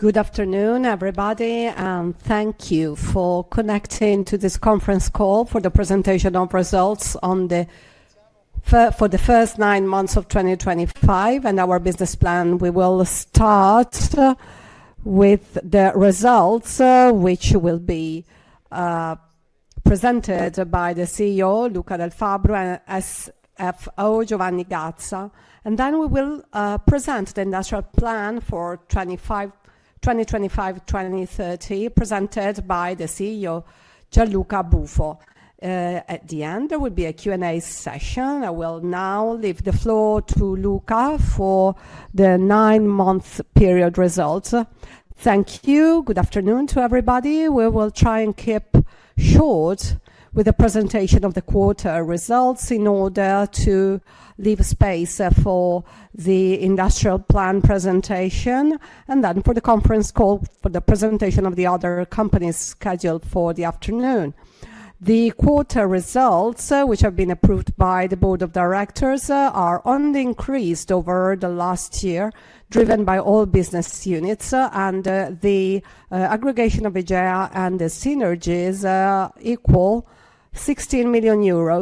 Good afternoon, everybody, and thank you for connecting to this conference call for the presentation of results for the first nine months of 2025 and our business plan. We will start with the results, which will be presented by the CEO, Luca Dal Fabbro, and CFO, Giovanni Gazza. We will then present the industrial plan for 2025-2030, presented by the CEO, Gianluca Bufo. At the end, there will be a Q&A session. I will now leave the floor to Luca for the nine-month period results. Thank you. Good afternoon to everybody. We will try and keep short with the presentation of the quarter results in order to leave space for the industrial plan presentation and then for the conference call for the presentation of the other companies scheduled for the afternoon. The quarter results, which have been approved by the Board of Directors, are only increased over the last year, driven by all business units, and the aggregation of EGEA and the Synergies equal 16 million euros.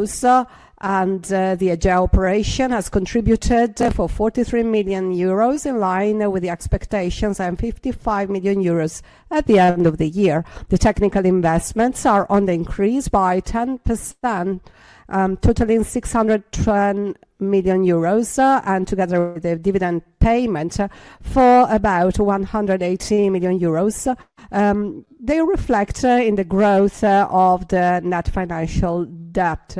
The EGEA operation has contributed for 43 million euros in line with the expectations and 55 million euros at the end of the year. The technical investments are on the increase by 10%, totaling 610 million euros, and together with the dividend payment for about 180 million euros. They reflect in the growth of the net financial debt.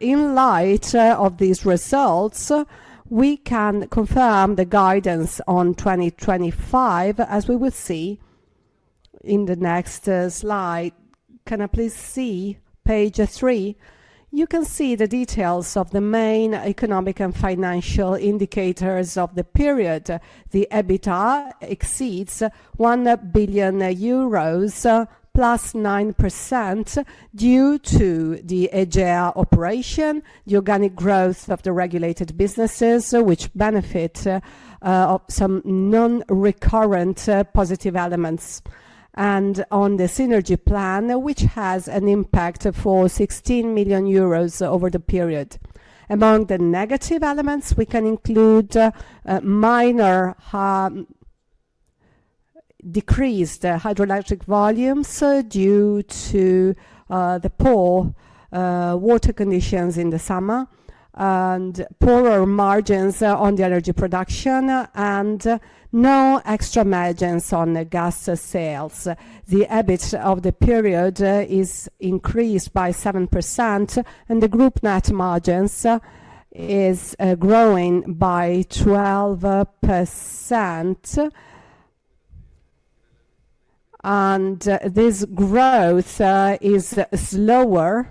In light of these results, we can confirm the guidance on 2025, as we will see in the next slide. Can I please see page three? You can see the details of the main economic and financial indicators of the period. The EBITDA exceeds 1 billion euros, +9% due to the EGEA operation, the organic growth of the regulated businesses, which benefit from some non-recurrent positive elements, and on the Synergy plan, which has an impact for 16 million euros over the period. Among the negative elements, we can include minor decreased hydroelectric volumes due to the poor water conditions in the summer and poorer margins on the energy production, and no extra margins on the gas sales. The EBIT of the period is increased by 7%, and the group net margins are growing by 12%. This growth is slower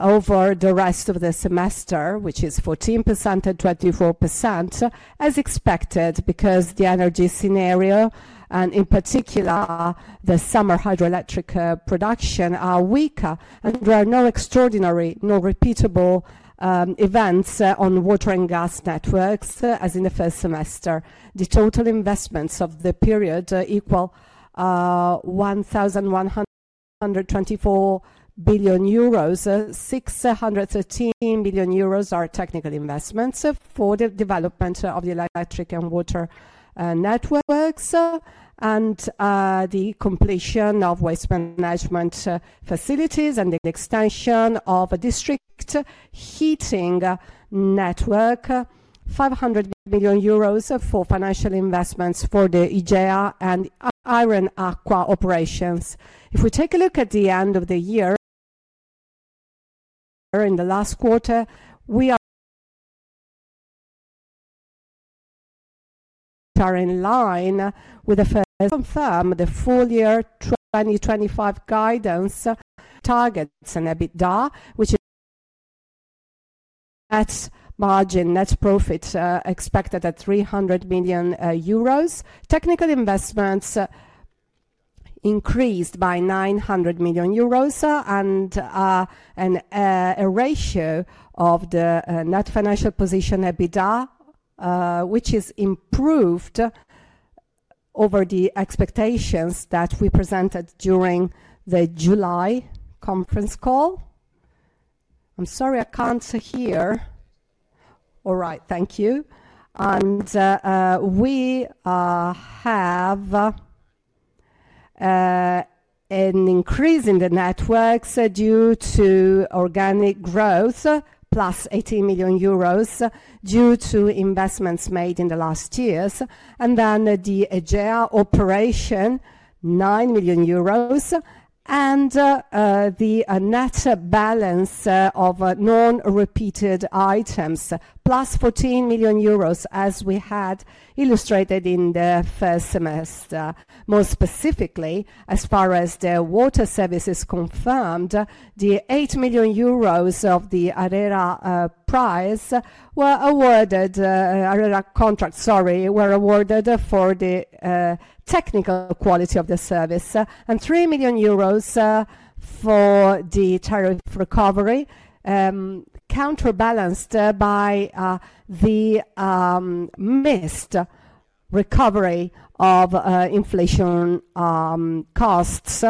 over the rest of the semester, which is 14% and 24%, as expected, because the energy scenario, and in particular the summer hydroelectric production, are weaker, and there are no extraordinary nor repeatable events on water and gas networks as in the first semester. The total investments of the period equal 1.124 billion euros. 613 million euros are technical investments for the development of the Electric and Water Networks and the completion of Waste Management facilities and the extension of a district Heating Network, 500 million euros for financial investments for the EGEA and Iren Acqua operations. If we take a look at the end of the year in the last quarter, we are in line with the first. Confirm the full year 2025 guidance targets an EBITDA, which is net margin, net profit expected at 300 million euros. Technical investments increased by 900 million euros and a ratio of the net financial position EBITDA, which is improved over the expectations that we presented during the July conference call. I'm sorry, I can't hear. All right, thank you. We have an increase in the networks due to organic growth, plus 18 million euros due to investments made in the last years. The EGEA operation, 9 million euros, and the net balance of non-repeated items, +14 million euros, as we had illustrated in the first semester. More specifically, as far as the water service is concerned, the 8 million euros of the ARERA prize were awarded, ARERA contracts, sorry, were awarded for the technical quality of the service and 3 million euros for the tariff recovery, counterbalanced by the missed recovery of inflation costs.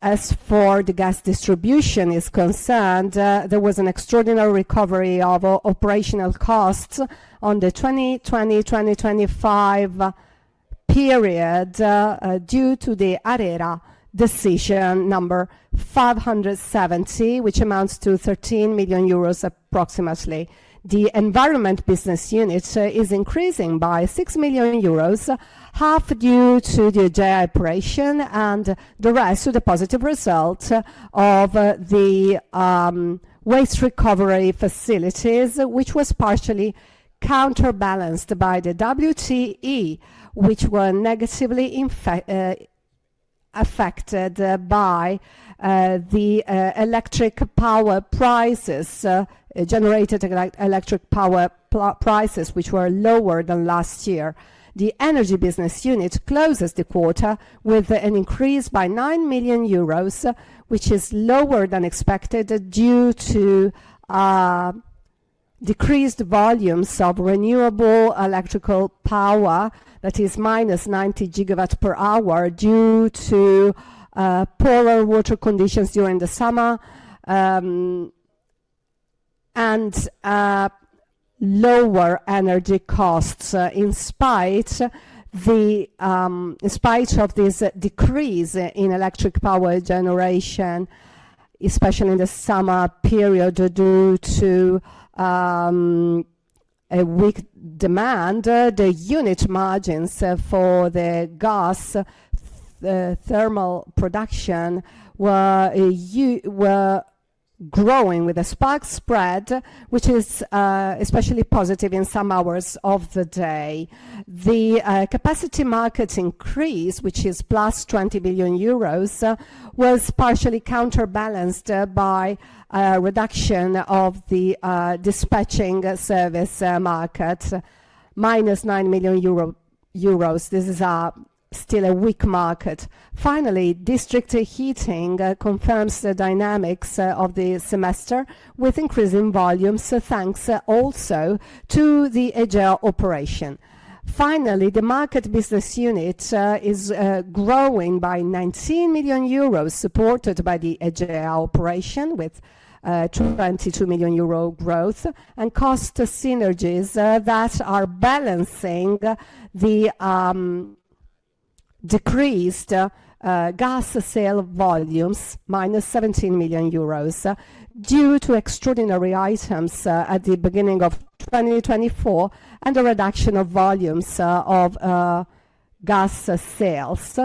As for the gas distribution, there was an extraordinary recovery of operational costs on the 2020-2025 period due to the ARERA decision number 570, which amounts to 13 million euros approximately. The Environment business unit is increasing by 6 million euros, half due to the EGEA operation and the rest to the positive result of the waste recovery facilities, which was partially counterbalanced by the WTE, which were negatively affected by the electric power prices, generated electric power prices, which were lower than last year. The Energy business unit closes the quarter with an increase by 9 million euros, which is lower than expected due to decreased volumes of renewable electrical power that is -90 GW hours due to poorer water conditions during the summer and lower energy costs. In spite of this decrease in electric power generation, especially in the summer period due to weak demand, the unit margins for the gas thermal production were growing with a spike spread, which is especially positive in some hours of the day. The Capacity Market increase, which is +20 million euros, was partially counterbalanced by a reduction of the Dispatching Service Market, +9 million euro. This is still a weak market. Finally, District Heating confirms the dynamics of the semester with increasing volumes thanks also to the EGEA operation. Finally, the Market business unit is growing by 19 million euros, supported by the EGEA operation with 22 million euro growth and cost synergies that are balancing the decreased gas sale volumes, -17 million euros, due to extraordinary items at the beginning of 2024 and the reduction of volumes of gas sales.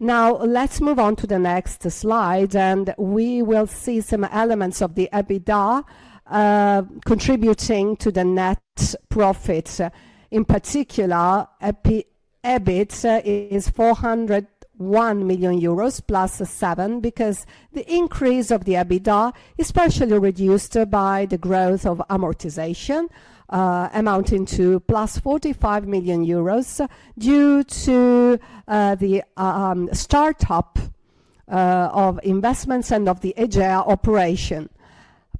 Now, let's move on to the next slide, and we will see some elements of the EBITDA contributing to the net profit. In particular, EBIT is 401 million euros, +7, because the increase of the EBITDA is partially reduced by the growth of amortization, amounting to +45 million euros due to the startup of investments and of the EGEA operation.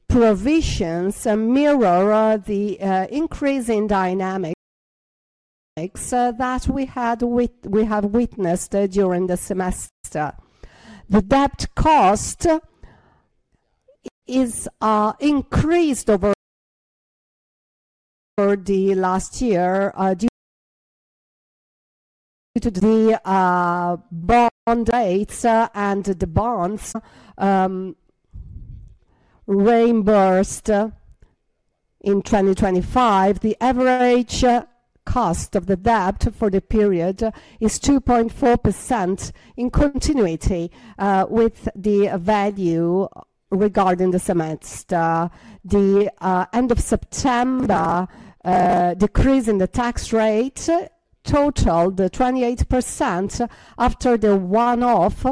Provisions mirror the increase in dynamics that we have witnessed during the semester. The debt cost is increased over the last year due to the bond rates and the bonds reimbursed in 2025. The average cost of the debt for the period is 2.4% in continuity with the value regarding the semester. The end of September decrease in the tax rate totaled 28% after the one-off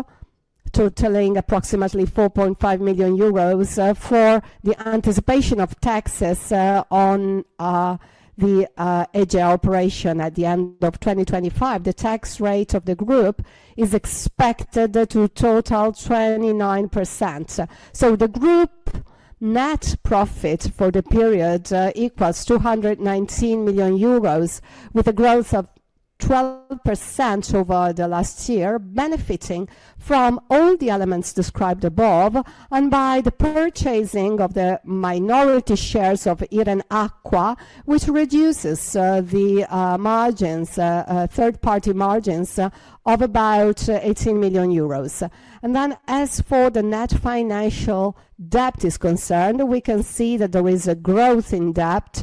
totaling approximately 4.5 million euros for the anticipation of taxes on the EGEA operation at the end of 2025. The tax rate of the Group is expected to total 29%. The Group net profit for the period equals 219 million euros, with a growth of 12% over the last year, benefiting from all the elements described above and by the purchasing of the minority shares of Iren Acqua, which reduces the third-party margins of about 18 million euros. As for the net financial debt is concerned, we can see that there is a growth in debt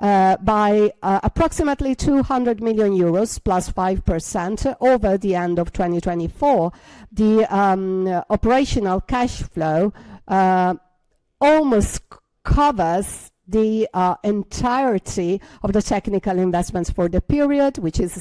by approximately 200 million euros, +5% over the end of 2024. The operational cash flow almost covers the entirety of the technical investments for the period, which is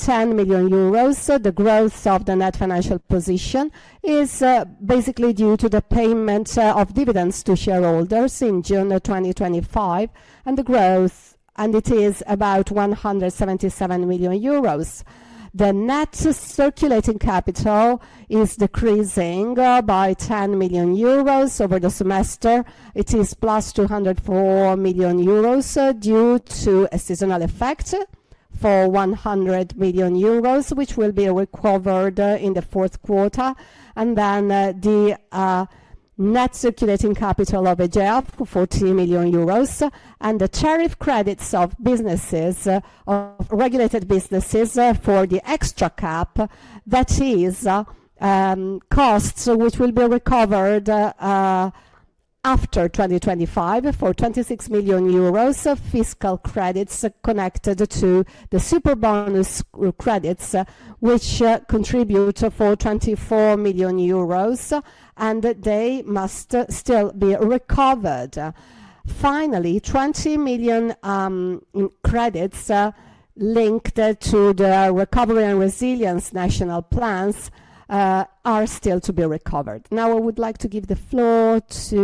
610 million euros. The growth of the net financial position is basically due to the payment of dividends to shareholders in June 2025, and the growth, and it is about 177 million euros. The net circulating capital is decreasing by 10 million euros over the semester. It is +204 million euros due to a seasonal effect for 100 million euros, which will be recovered in the fourth quarter. The net circulating capital of EGEA for 40 million euros and the tariff credits of regulated businesses for the extra cap, that is costs which will be recovered after 2025, for 26 million euros of fiscal credits connected to the super bonus credits, which contribute for 24 million euros, and they must still be recovered. Finally, 20 million in credits linked to the recovery and resilience national plans are still to be recovered. Now, I would like to give the floor to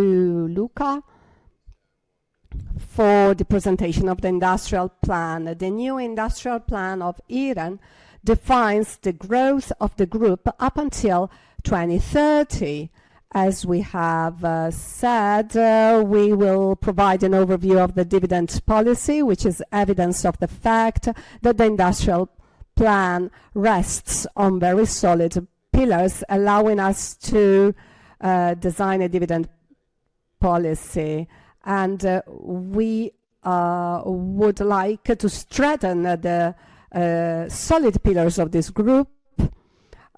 Luca for the presentation of the industrial plan. The new industrial plan of Iren defines the growth of the group up until 2030. As we have said, we will provide an overview of the dividend policy, which is evidence of the fact that the industrial plan rests on very solid pillars, allowing us to design a dividend policy. We would like to strengthen the solid pillars of this Group,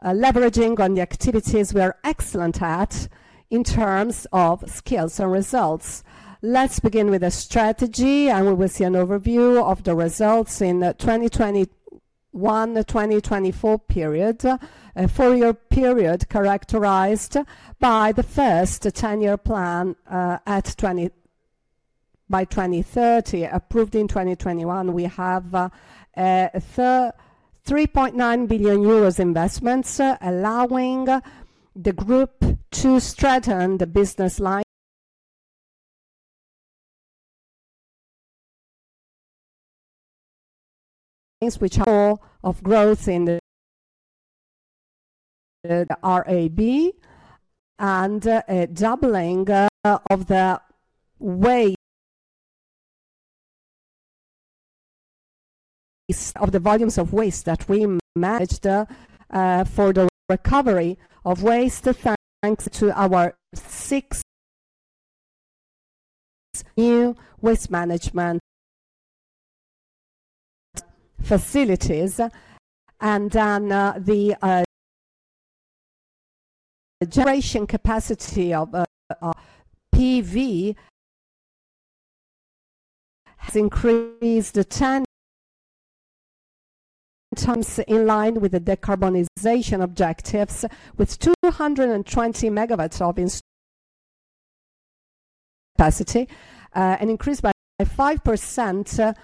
leveraging on the activities we are excellent at in terms of skills and results. Let's begin with a strategy, and we will see an overview of the results in the 2021-2024 period, a four-year period characterized by the first ten-year plan by 2030. Approved in 2021, we have 3.9 billion euros investments allowing the group to strengthen the business lines, which are the core of growth in the RAB and a doubling of the volumes of waste that we managed for the recovery of waste thanks to our six new waste management facilities. The generation capacity of PV has increased 10x in line with the decarbonization objectives, with 220 MG of capacity and increased by 5%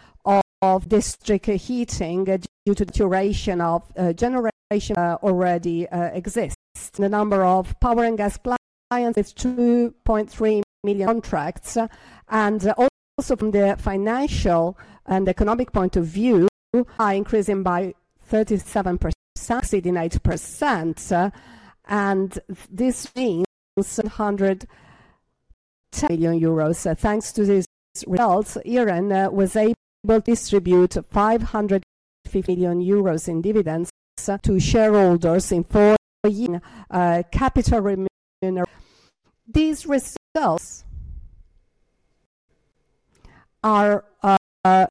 of District Heating due to the duration of generation already exists. The number of Power and Gas clients is 2.3 million contracts. Also from the financial and economic point of view, increasing by 37%, exceeding 80%. This means 110 million euros. Thanks to these results, Iren was able to distribute 550 million euros in dividends to shareholders in four years. These results are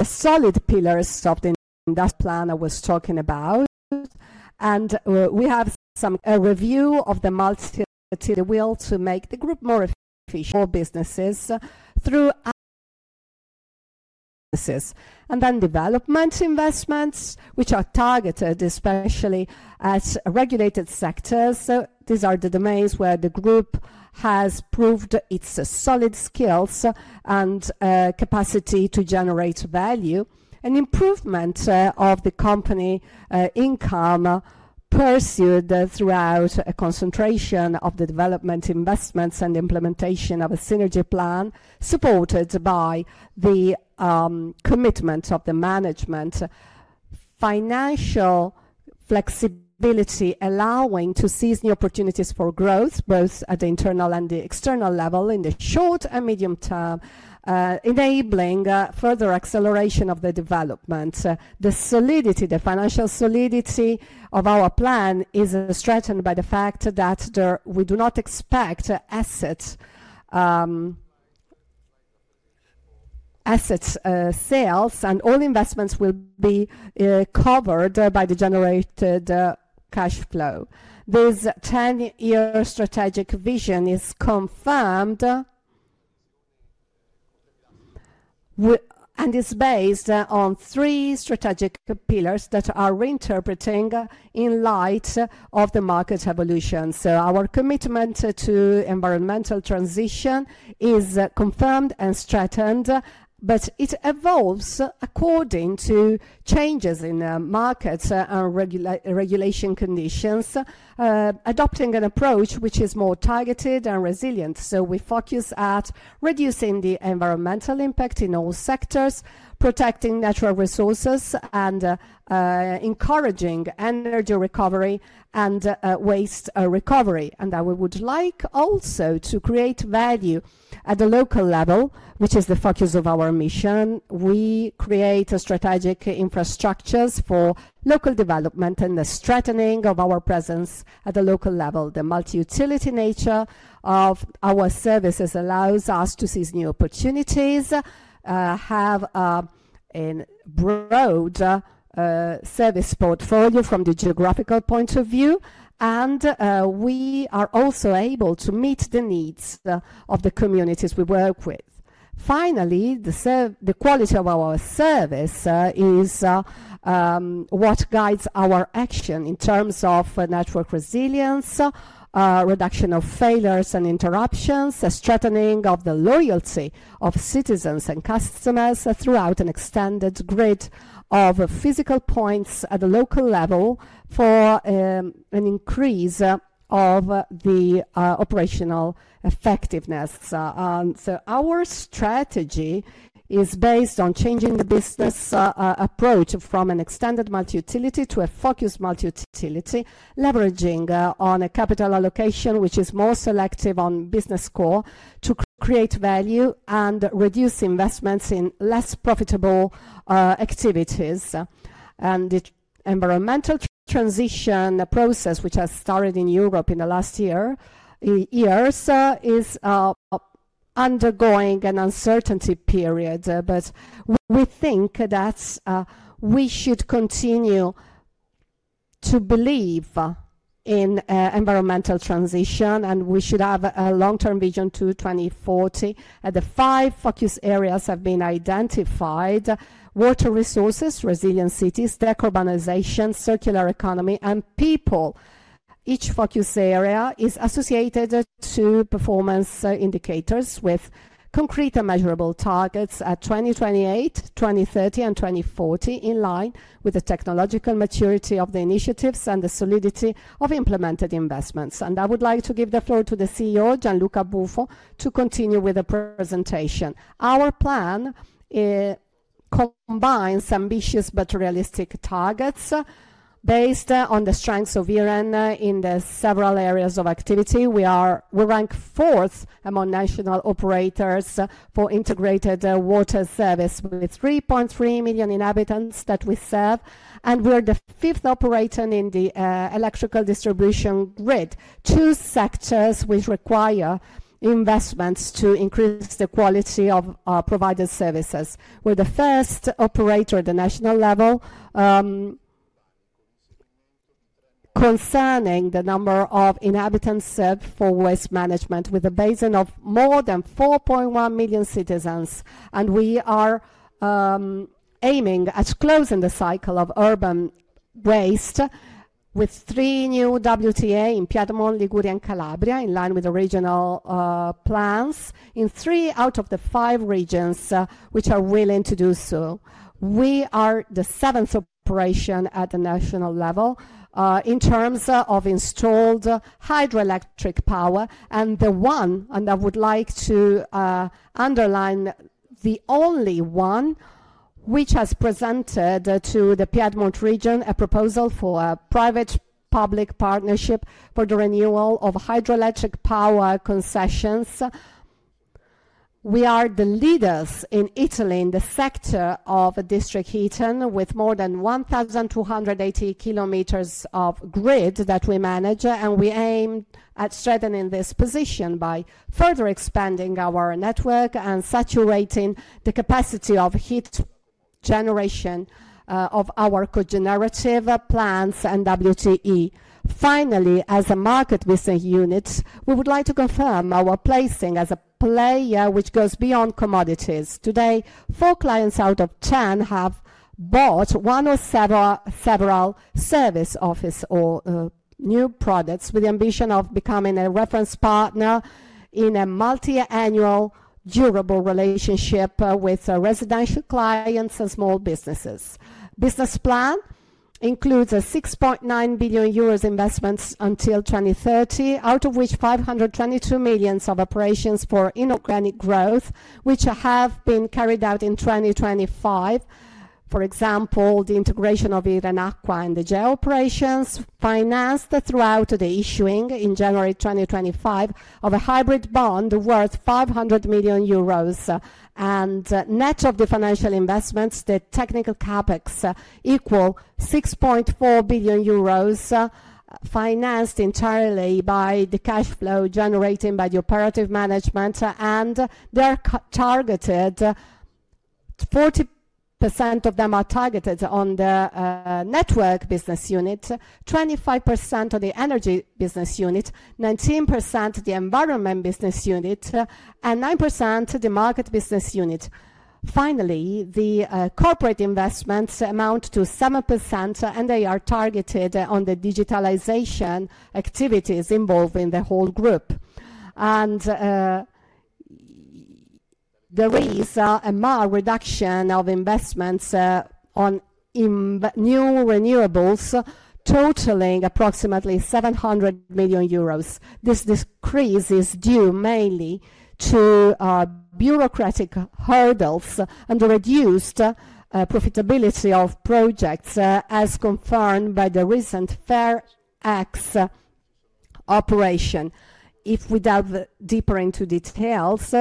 solid pillars of the plan I was talking about. We have some review of the multi-tiered will to make the group more efficient for businesses through. Development investments are targeted especially at regulated sectors. These are the domains where the Group has proved its solid skills and capacity to generate value. An improvement of the company income pursued throughout a concentration of the development investments and implementation of a Synergy plan supported by the commitment of the management. Financial flexibility allowing to seize new opportunities for growth, both at the internal and the external level in the short and medium term, enabling further acceleration of the development. The solidity, the financial solidity of our plan is strengthened by the fact that we do not expect asset sales and all investments will be covered by the generated cash flow. This 10-year strategic vision is confirmed and is based on three strategic pillars that are reinterpreting in light of the market evolution. Our commitment to environmental transition is confirmed and strengthened, but it evolves according to changes in markets and regulation conditions, adopting an approach which is more targeted and resilient. We focus at reducing the environmental impact in all sectors, protecting natural resources, and encouraging energy recovery and waste recovery. We would like also to create value at the local level, which is the focus of our mission. We create strategic infrastructures for local development and the strengthening of our presence at the local level. The multi-utility nature of our services allows us to seize new opportunities, have a broad service portfolio from the geographical point of view, and we are also able to meet the needs of the communities we work with. Finally, the quality of our service is what guides our action in terms of network resilience, reduction of failures and interruptions, strengthening of the loyalty of citizens and customers throughout an extended grid of physical points at the local level for an increase of the operational effectiveness. Our strategy is based on changing the business approach from an extended multi-utility to a focused multi-utility, leveraging on a capital allocation which is more selective on business core to create value and reduce investments in less profitable activities. The environmental transition process, which has started in Europe in the last year, is undergoing an uncertainty period. We think that we should continue to believe in environmental transition, and we should have a long-term vision to 2040. The five focus areas have been identified: water resources, resilient cities, decarbonization, circular economy, and people. Each focus area is associated to performance indicators with concrete and measurable targets at 2028, 2030, and 2040, in line with the technological maturity of the initiatives and the solidity of implemented investments. I would like to give the floor to the CEO, Gianluca Bufo, to continue with the presentation. Our plan combines ambitious but realistic targets based on the strengths of Iren in the several areas of activity. We rank fourth among national operators for integrated Water Service with 3.3 million inhabitants that we serve. We are the fifth operator in the Electrical Distribution grid, two sectors which require investments to increase the quality of provided services. We are the first operator at the national level concerning the number of inhabitants for Waste Management, with a basin of more than 4.1 million citizens. We are aiming at closing the cycle of urban waste with three new WTE in Platamone, Liguria, and Calabria, in line with the regional plans in three out of the five regions which are willing to do so. We are the seventh operator at the national level in terms of installed hydroelectric power. The one I would like to underline is the only one which has presented to the Piedmont region a proposal for a public-private partnership for the renewal of hydroelectric power concessions. We are the leaders in Italy in the sector of district heating, with more than 1,280 km of grid that we manage. We aim at strengthening this position by further expanding our network and saturating the capacity of heat generation of our cogenerative plants and WTE. Finally, as a Market business unit, we would like to confirm our placing as a player which goes beyond commodities. Today, four clients out of 10 have bought one or several service office or new products with the ambition of becoming a reference partner in a multi-annual durable relationship with residential clients and small businesses. The Business plan includes a 6.9 billion euros investment until 2030, out of which 522 million of operations for inorganic growth, which have been carried out in 2025. For example, the integration of Iren Acqua and the JAO operations financed throughout the issuing in January 2025 of a hybrid bond worth 500 million euros. Net of the financial investments, the technical CapEx equals 6.4 billion euros, financed entirely by the cash flow generated by the operative management. They are targeted; 40% of them are targeted on the Network business unit, 25% on the Energy business unit, 19% the Environment business unit, and 9% the Market business unit. Finally, the corporate investments amount to 7%, and they are targeted on the digitalization activities involved in the whole group. There is a reduction of investments in new renewables, totaling approximately 700 million euros. This decrease is due mainly to bureaucratic hurdles and the reduced profitability of projects, as confirmed by the recent FARE X operation. If we dive deeper into details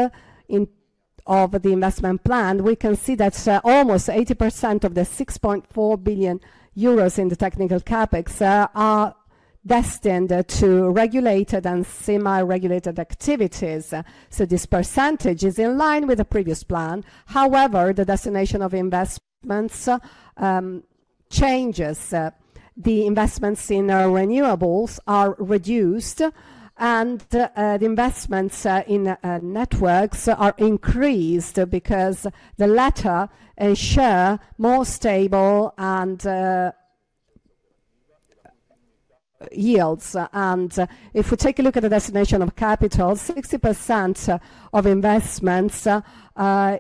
of the Investment plan, we can see that almost 80% of the 6.4 billion euros in the technical CapEx are destined to regulated and semi-regulated activities. This percentage is in line with the previous plan. However, the destination of investments changes. The investments in renewables are reduced, and the investments in networks are increased because the latter ensure more stable yields. If we take a look at the destination of capital, 60% of investments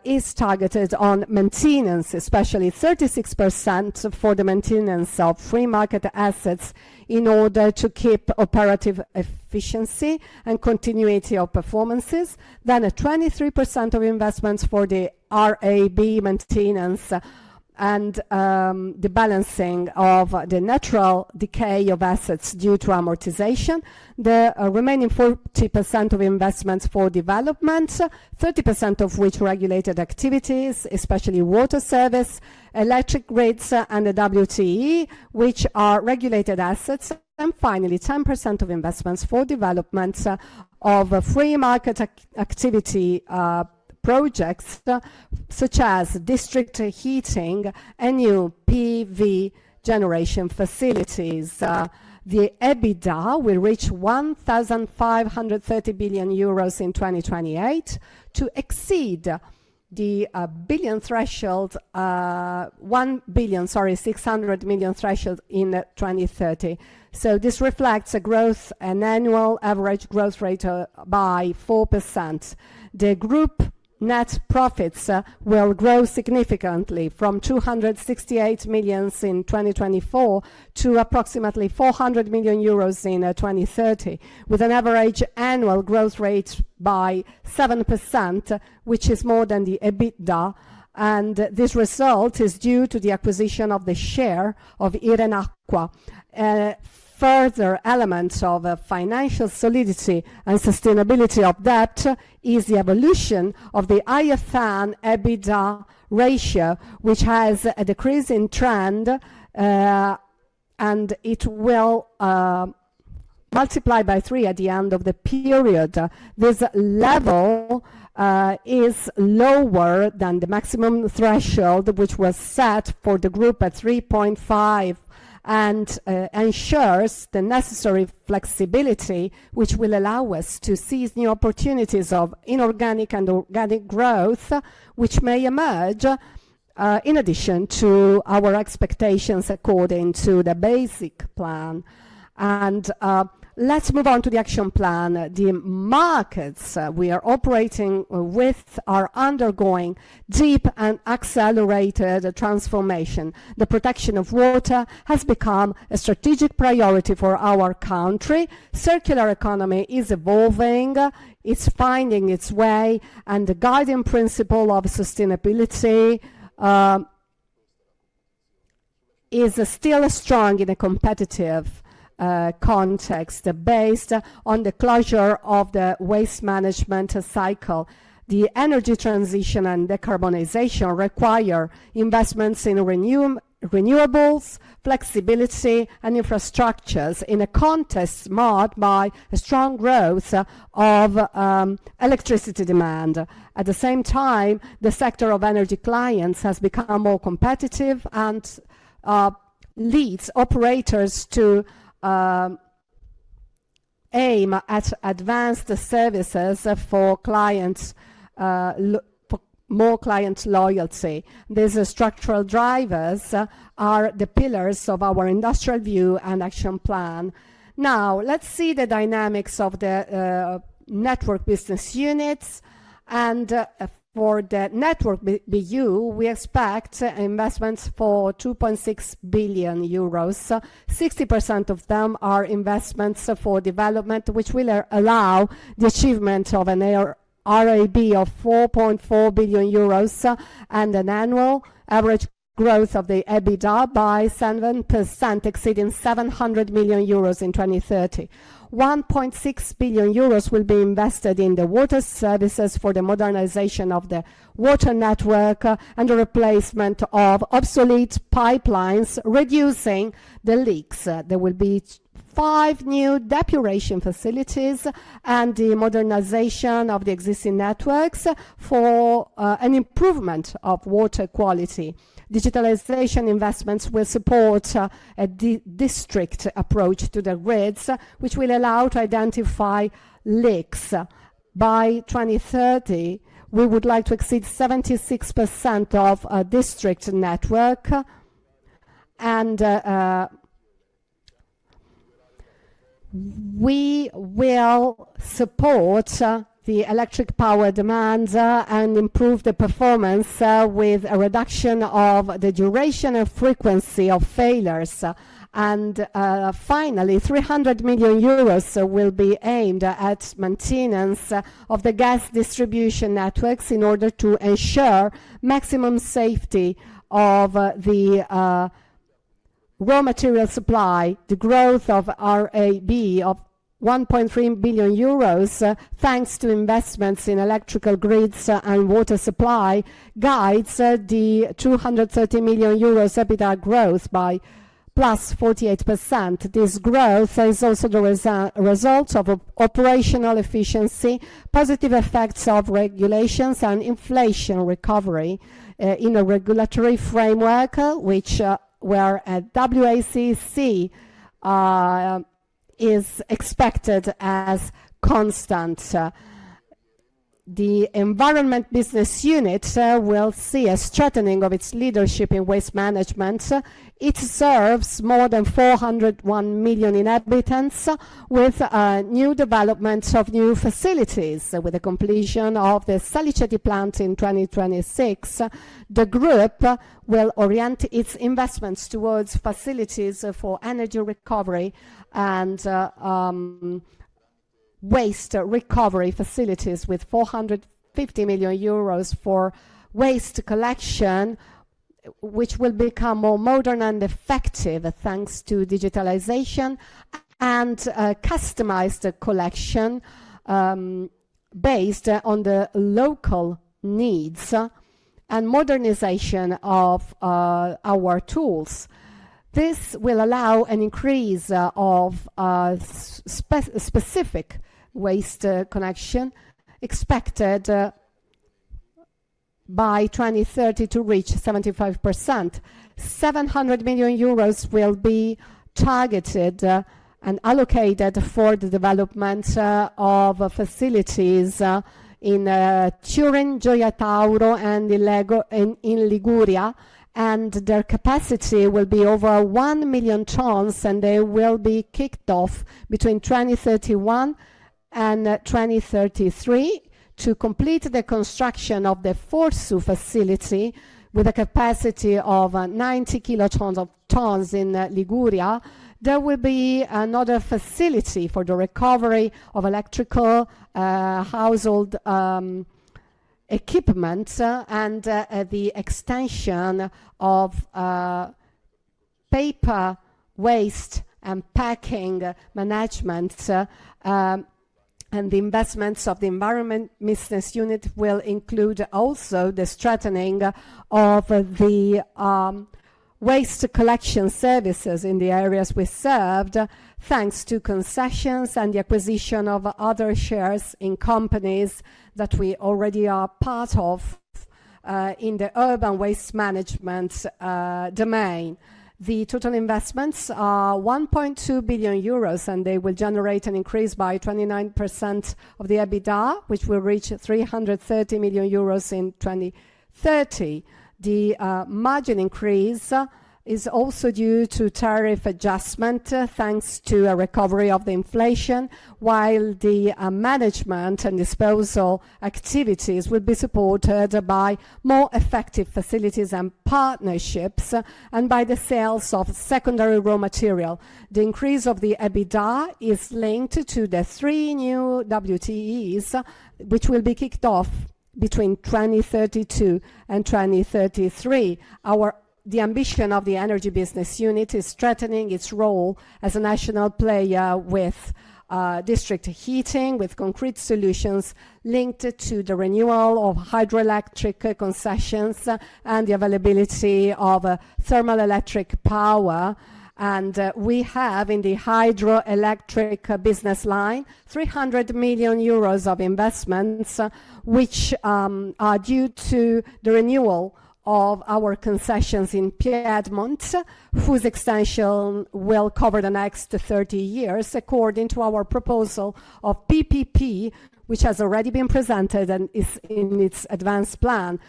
is targeted on maintenance, especially 36% for the maintenance of free market assets in order to keep operative efficiency and continuity of performances. There is 23% of investments for the RAB maintenance and the balancing of the natural decay of assets due to amortization. The remaining 40% of investments for Development, 30% of which regulated activities, especially Water Service, Electric Grids, and the WTE, which are regulated assets. Finally, 10% of investments for development of free market activity projects, such as District Heating and new PV generation facilities. The EBITDA will reach 1,530 million euros in 2028 to exceed the billion threshold, 1 billion, sorry, 600 million threshold in 2030. This reflects a growth, an annual average growth rate by 4%. The Group net profits will grow significantly from 268 million in 2024 to approximately 400 million euros in 2030, with an average annual growth rate by 7%, which is more than the EBITDA. This result is due to the acquisition of the share of Iren Acqua. Further elements of financial solidity and sustainability of that is the evolution of the IFN EBITDA ratio, which has a decreasing trend, and it will multiply by three at the end of the period. This level is lower than the maximum threshold, which was set for the Group at 3.5, and ensures the necessary flexibility, which will allow us to seize new opportunities of inorganic and organic growth, which may emerge in addition to our expectations according to the basic plan. Let's move on to the Action plan. The markets we are operating with are undergoing deep and accelerated transformation. The protection of water has become a strategic priority for our country. Circular economy is evolving. It's finding its way, and the guiding principle of sustainability is still strong in a competitive context based on the closure of the Waste Management cCycle. The energy transition and decarbonization require investments in renewables, flexibility, and infrastructures in a context marked by a strong growth of electricity demand. At the same time, the sector of energy clients has become more competitive and leads operators to aim at advanced services for more client loyalty. These structural drivers are the pillars of our industrial view and Action plan. Now, let's see the dynamics of the Network business Units. For the Network BU, we expect investments for 2.6 billion euros. 60% of them are investments for Development, which will allow the achievement of an RAB of 4.4 billion euros and an annual average growth of the EBITDA by 7%, exceeding 700 million euros in 2030. 1.6 billion euros will be invested in the Water Services for the modernization of the water network and the replacement of obsolete pipelines, reducing the leaks. There will be five new depuration facilities and the modernization of the existing networks for an improvement of water quality. Digitalization investments will support a district approach to the Grids, which will allow to identify leaks. By 2030, we would like to exceed 76% of District Network, and we will support the Electric Power demand and improve the performance with a reduction of the duration and frequency of failures. Finally, 300 million euros will be aimed at maintenance of the Gas Distribution Networks in order to ensure maximum safety of the raw material supply. The growth of RAB of 1.3 billion euros, thanks to investments in Electrical Grids and Water Supply, guides the 230 million euros EBITDA growth by plus 48%. This growth is also the result of operational efficiency, positive effects of regulations, and inflation recovery in a regulatory framework, where WACC is expected as constant. The Environment business unit will see a strengthening of its leadership in Waste Management. It serves more than 4.1 million inhabitants with new developments of new facilities. With the completion of the Saliceti plant in 2026, the Group will orient its investments towards facilities for Energy recovery and Waste recovery facilities with 450 million euros for waste collection, which will become more modern and effective thanks to digitalization and customized collection based on the local needs and modernization of our tools. This will allow an increase of specific waste collection expected by 2030 to reach 75%. 700 million will be targeted and allocated for the development of facilities in Turin, Gioia Tauro, and in Liguria, and their capacity will be over 1 million tons, and they will be kicked off between 2031 and 2033 to complete the construction of the FORSU facility with a capacity of 90 kilotons in Liguria. There will be another facility for the recovery of electrical household equipment and the extension of paper waste and packing management. The investments of the Environment Business Unit will include also the strengthening of the waste collection services in the areas we served, thanks to concessions and the acquisition of other shares in companies that we already are part of in the urban waste management domain. The total investments are 1.2 billion euros, and they will generate an increase by 29% of the EBITDA, which will reach 330 million euros in 2030. The margin increase is also due to tariff adjustment, thanks to a recovery of the inflation, while the management and disposal activities will be supported by more effective facilities and partnerships and by the sales of secondary raw material. The increase of the EBITDA is linked to the three new WTEs, which will be kicked off between 2032 and 2033. The ambition of the Energy business unit is strengthening its role as a national player with district heating, with concrete solutions linked to the renewal of hydroelectric concessions and the availability of thermal electric power. We have in the hydroelectric business line 300 million euros of investments, which are due to the renewal of our concessions in Piedmont, whose extension will cover the next 30 years according to our proposal of PPP, which has already been presented and is in its advanced plan.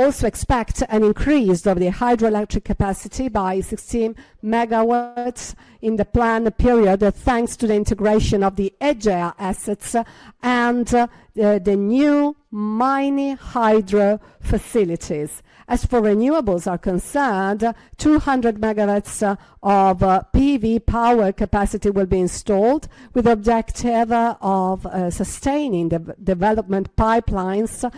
We also expect an increase of the hydroelectric capacity by 16 MW in the planned period, thanks to the integration of the EGEA assets and the new mini hydro facilities. As far as renewables are concerned, 200 MW of PV power capacity will be installed with the objective of sustaining the development pipelines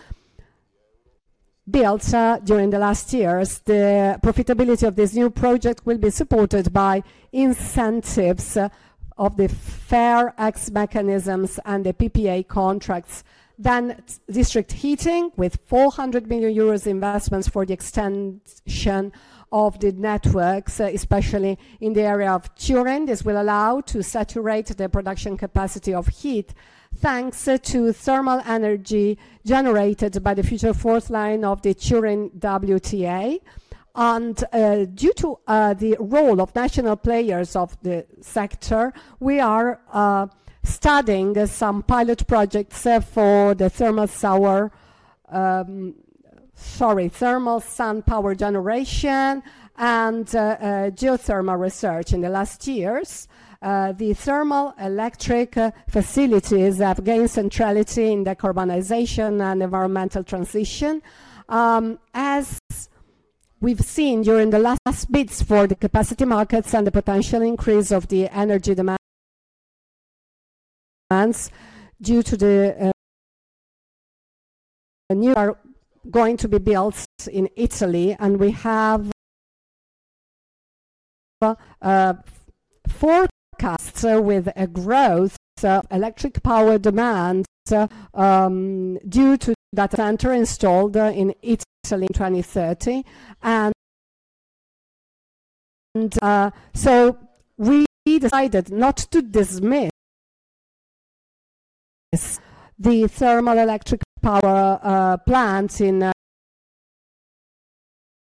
built during the last years. The profitability of this new project will be supported by incentives of the FARE X mechanisms and the PPA contracts. District Heating with 400 million euros investments for the extension of the networks, especially in the area of Turin. This will allow to saturate the production capacity of heat, thanks to thermal energy generated by the future fourth line of the Turin WTE. Due to the role of national players of the sector, we are studying some pilot projects for the thermal sun power generation and geothermal research in the last years. The thermal electric facilities have gained centrality in the decarbonization and environmental transition. As we've seen during the last bids for the capacity markets and the potential increase of the energy demands due to the new data centers that are going to be built in Italy, we have forecasts with a growth of Electric Power demand due to that center installed in Italy in 2030. We decided not to dismiss the thermal Electric Power Plant in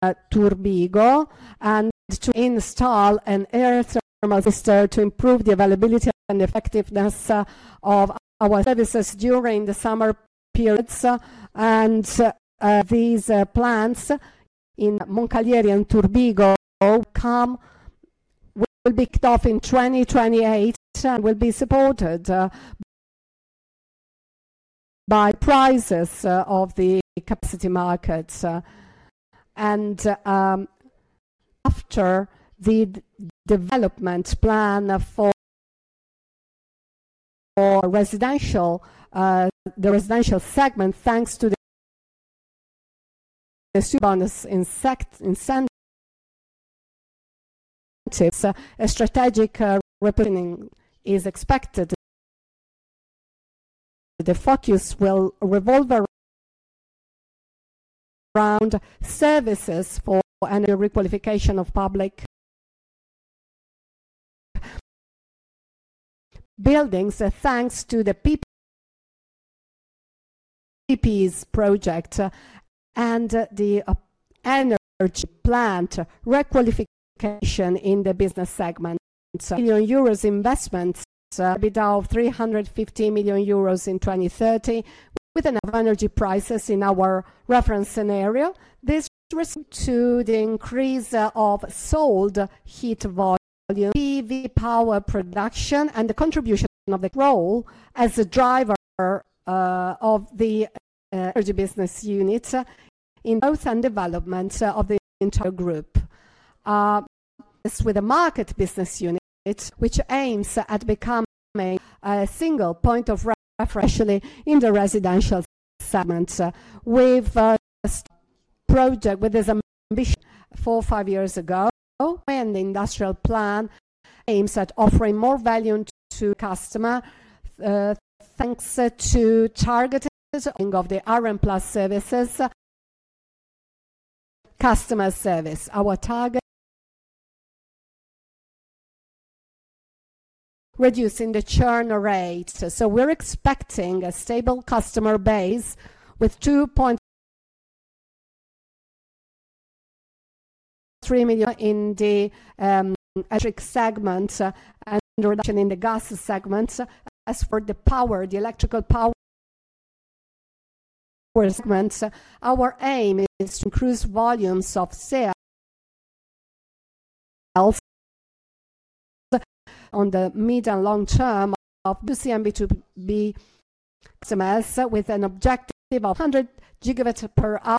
Turbigo and to install an Air Thermal System to improve the availability and effectiveness of our services during the summer periods. These plants in Moncalieri and Turbigo will be kicked off in 2028 and will be supported by prices of the capacity markets. After the Development plan for the Residential segment, thanks to the bonus incentives, a strategic repositioning is expected. The focus will revolve around services for energy requalification of public buildings, thanks to the PPE project and the energy plant requalification in the Business segment. Million investments, EBITDA of 350 million euros in 2030, with enough energy prices in our reference scenario. This is due to the increase of sold heat volume, PV power production, and the contribution of the role as a driver of the Energy Business Unit in growth and development of the entire Group. With the market business unit, which aims at becoming a single point of reference, especially in the Residential segment. We've just projected with this ambition four or five years ago, and the Industrial plan aims at offering more value to customers, thanks to targeting of the Iren plus services. Customer service, our target reducing the churn rate. We're expecting a stable customer base with 2.3 million in the Electric segment and in the Gas segment. As for the power, the Electrical Power segment, our aim is to increase volumes of sales on the mid and long term of UCMB to be XMS with an objective of 100 GW per hour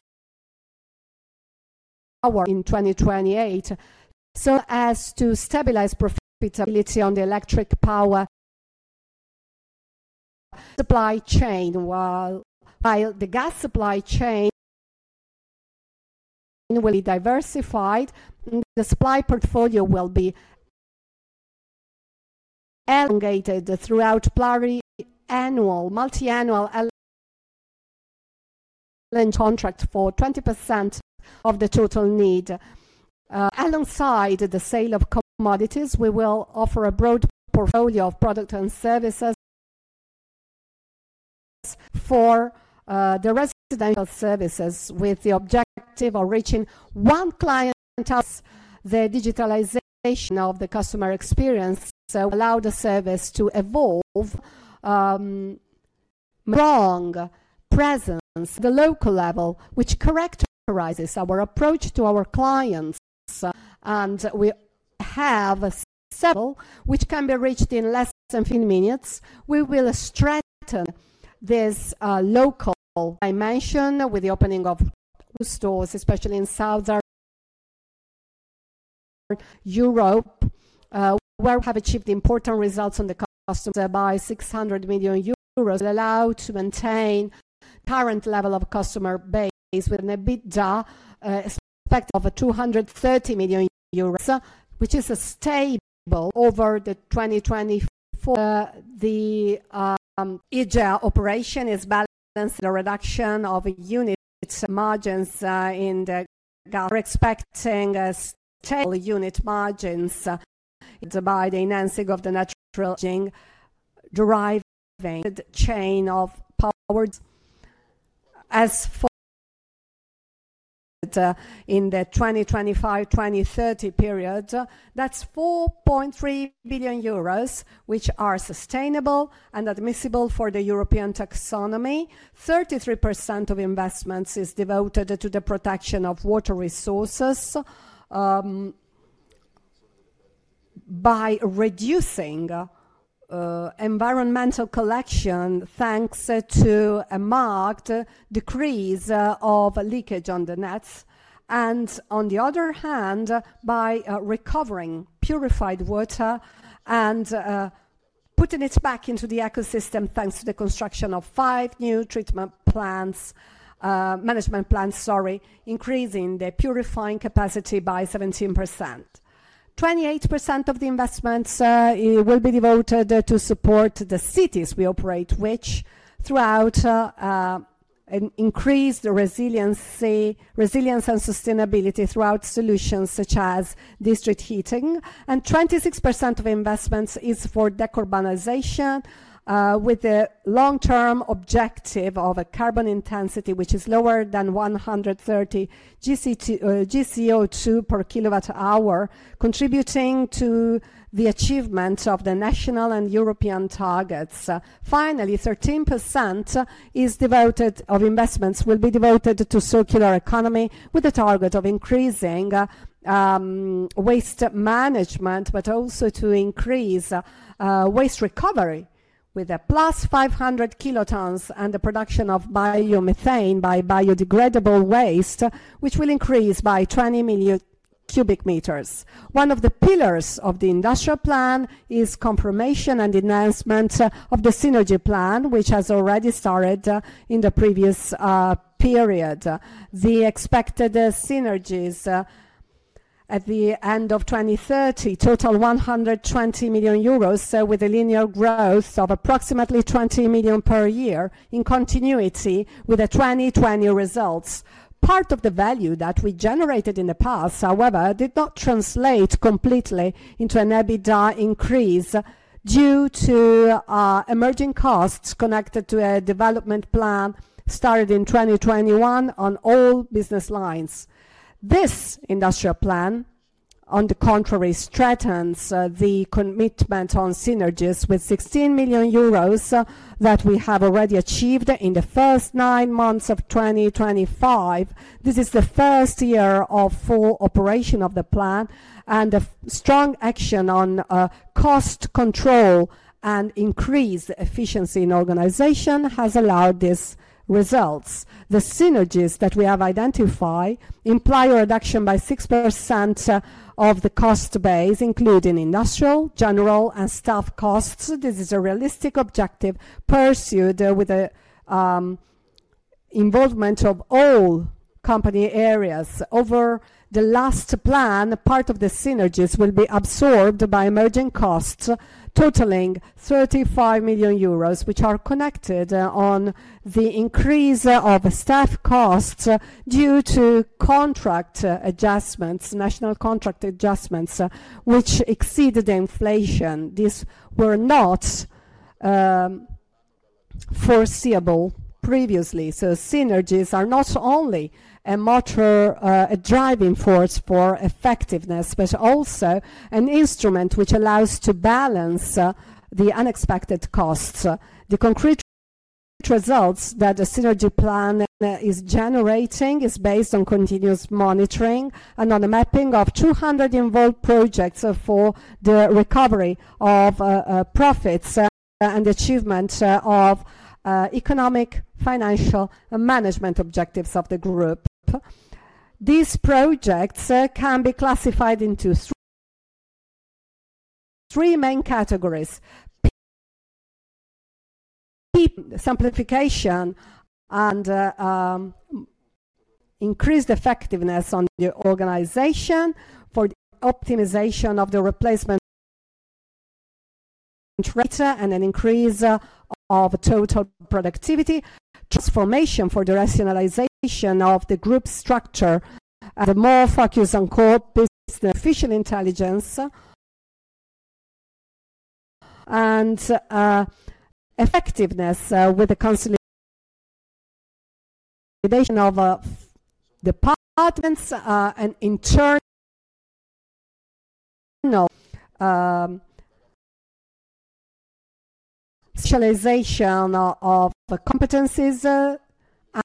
in 2028, so as to stabilize profitability on the Electric Power supply chain. While the Gas supply chain will be diversified, the Supply portfolio will be elongated throughout annual multi-annual contract for 20% of the total need. Alongside the sale of commodities, we will offer a broad portfolio of products and services for the Residential Services, with the objective of reaching one clientele. The digitalization of the customer experience will allow the service to evolve from the local level, which characterizes our approach to our clients. We have a level which can be reached in less than 15 minutes. We will strengthen this local dimension with the opening of stores, especially in South Europe, where we have achieved important results on the customers by 600 million euros, allowing us to maintain the current level of customer base with an EBITDA expected of 230 million euros, which is stable over 2024. The EGEA operation is balanced with a reduction of unit margins in the Gas. We are expecting stable unit margins by the enhancing of the natural chain of Power. As for in the 2025-2030 period, that is 4.3 billion euros, which are sustainable and admissible for the European taxonomy. 33% of investments is devoted to the protection of Water resources by reducing environmental collection, thanks to a marked decrease of leakage on the nets. On the other hand, by recovering purified Water and putting it back into the ecosystem, thanks to the construction of five new treatment plants, management plants, sorry, increasing the purifying capacity by 17%. 28% of the investments will be devoted to support the cities we operate with throughout and increase the resilience and sustainability throughout solutions such as District Heating. 26% of investments is for decarbonization, with the long-term objective of a carbon intensity which is lower than 130 gCO2 per kW hour, contributing to the achievement of the national and European targets. Finally, 13% of investments will be devoted to circular economy, with the target of increasing Waste Management, but also to increase waste recovery with a +500 kt and the production of biomethane by biodegradable waste, which will increase by 20 million cubic meters. One of the pillars of the Industrial plan is confirmation and enhancement of the Synergy plan, which has already started in the previous period. The expected synergies at the end of 2030 total 120 million euros, with a linear growth of approximately 20 million per year in continuity with the 2020 results. Part of the value that we generated in the past, however, did not translate completely into an EBITDA increase due to emerging costs connected to a Development plan started in 2021 on all business lines. This Industrial plan, on the contrary, strengthens the commitment on synergies with 16 million euros that we have already achieved in the first nine months of 2025. This is the first year of full operation of the plan, and the strong action on cost control and increased efficiency in organization has allowed these results. The synergies that we have identified imply a reduction by 6% of the cost base, including industrial, general, and staff costs. This is a realistic objective pursued with the involvement of all company areas. Over the last plan, part of the synergies will be absorbed by emerging costs, totaling 35 million euros, which are connected to the increase of staff costs due to contract adjustments, national contract adjustments, which exceeded inflation. These were not foreseeable previously. Synergies are not only a motor driving force for effectiveness, but also an instrument which allows us to balance the unexpected costs. The concrete results that the Synergy plan is generating are based on continuous monitoring and on a mapping of 200 involved projects for the recovery of profits and the achievement of economic financial management objectives of the Group. These projects can be classified into three main categories: simplification and increased effectiveness on the organization for the optimization of the replacement and an increase of total productivity, transformation for the rationalization of the Group structure, the more focus on core business, efficient intelligence and effectiveness with the consolidation of departments, and in turn, specialization of competencies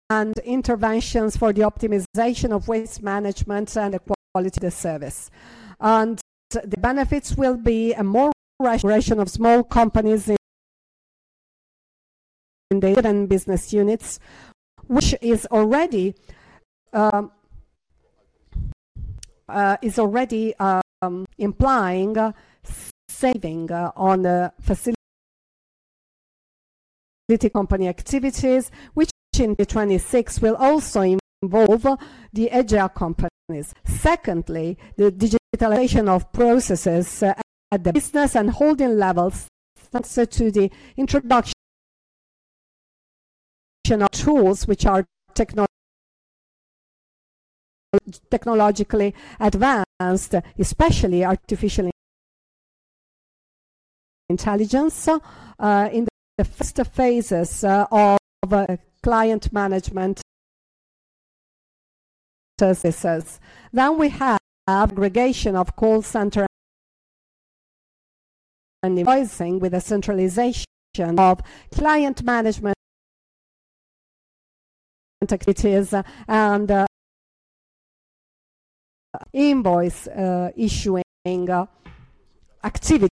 and interventions for the optimization of Waste Management and the quality of the service. The benefits will be a more rationalization of small companies in the given business units, which is already implying saving on the facility company activities, which in 2026 will also involve the EGEA companies. Secondly, the digitalization of processes at the business and holding levels thanks to the introduction of tools which are technologically advanced, especially artificial intelligence, in the first phases of client management services. We have aggregation of call center and invoicing with the centralization of client management activities and invoice issuing activities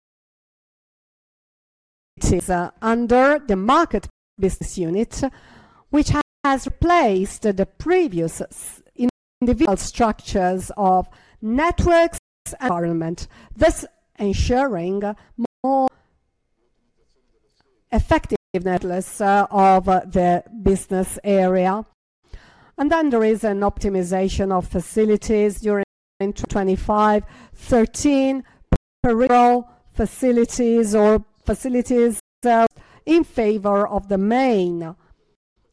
under the Market Business Unit, which has replaced the previous individual structures of networks and government, thus ensuring more effectiveness of the business area. There is an optimization of facilities during 2025-2013, peripheral facilities or facilities in favor of the main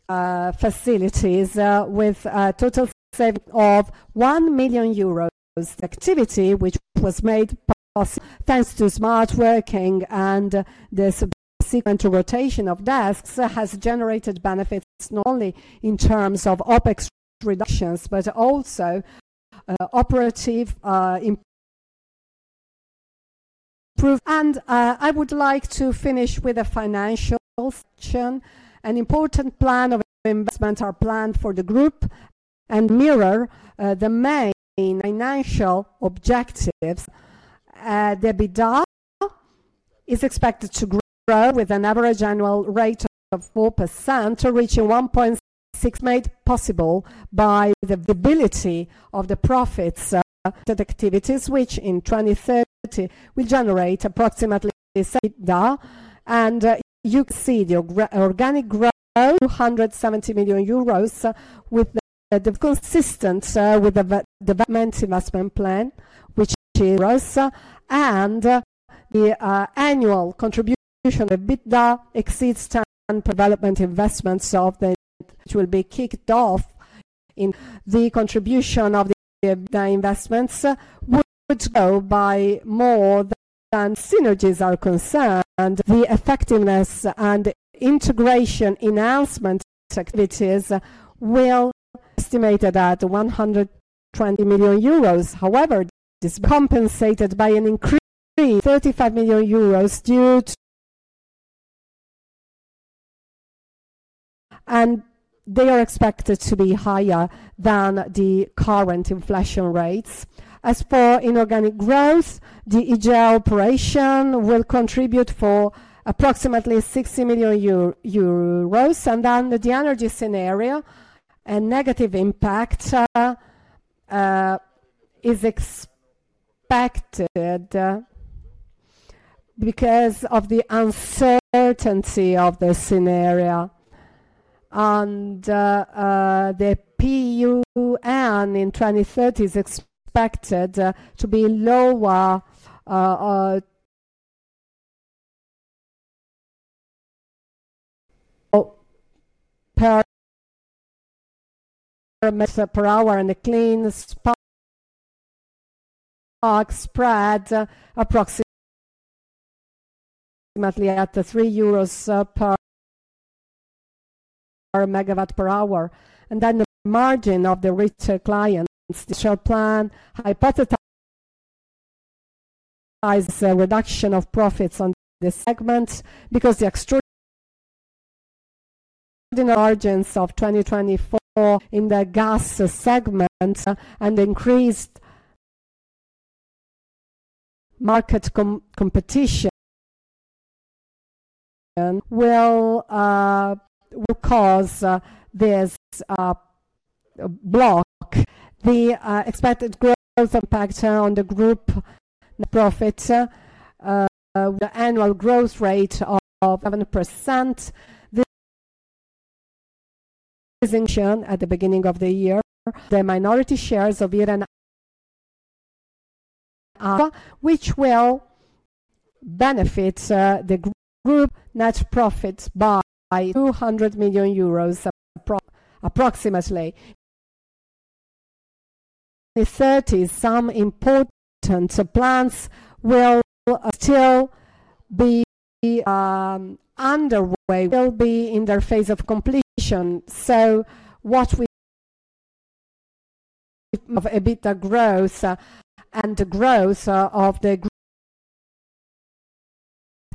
facilities, with a total saving of 1 million euros activity, which was made possible thanks to smart working, and this subsequent rotation of desks has generated benefits not only in terms of OpEx reductions, but also operative improvements. I would like to finish with a Financial section. An important plan of investment is planned for the group and mirrors the main financial objectives. The EBITDA is expected to grow with an average annual rate of 4%, reaching 1.6 billion, made possible by the visibility of the profits activities, which in 2030 will generate approximately EUR 1.6 billion EBITDA. You can see the organic growth of 270 million euros, with the consistence with the development Investment plan, which is EUR 2.5 billion. The annual contribution of EBITDA exceeds development investments. There will be a kick-off in the contribution of the EBITDA investments, which would go by more than EUR 120 million as far as synergies are concerned. The effectiveness and integration enhancement activities will be estimated at 120 million euros. However, this is compensated by an increase of 35 million euros due to costs, and they are expected to be higher than the current inflation rates. As for inorganic growth, the EGEA operation will contribute for approximately 60 million euro. The energy scenario, a negative impact, is expected because of the uncertainty of the scenario. The PUN in 2030 is expected to be lower per meter per hour and a clean spark spread approximately at EUR 3 per MW per hour. The margin of the rich clients. Industrial plan hypothesizes a reduction of profits on the segment because the extraordinary margins of 2024 in the Gas segment and the increased market competition will cause this block. The expected growth impact on the Group profit with an annual growth rate of 7%. This is mentioned at the beginning of the year. The minority shares of Iren, which will benefit the Group net profits by 200 million euros approximately. In 2030, some important plants will still be underway, will be in their phase of completion. What we have is EBITDA growth and the growth of the Group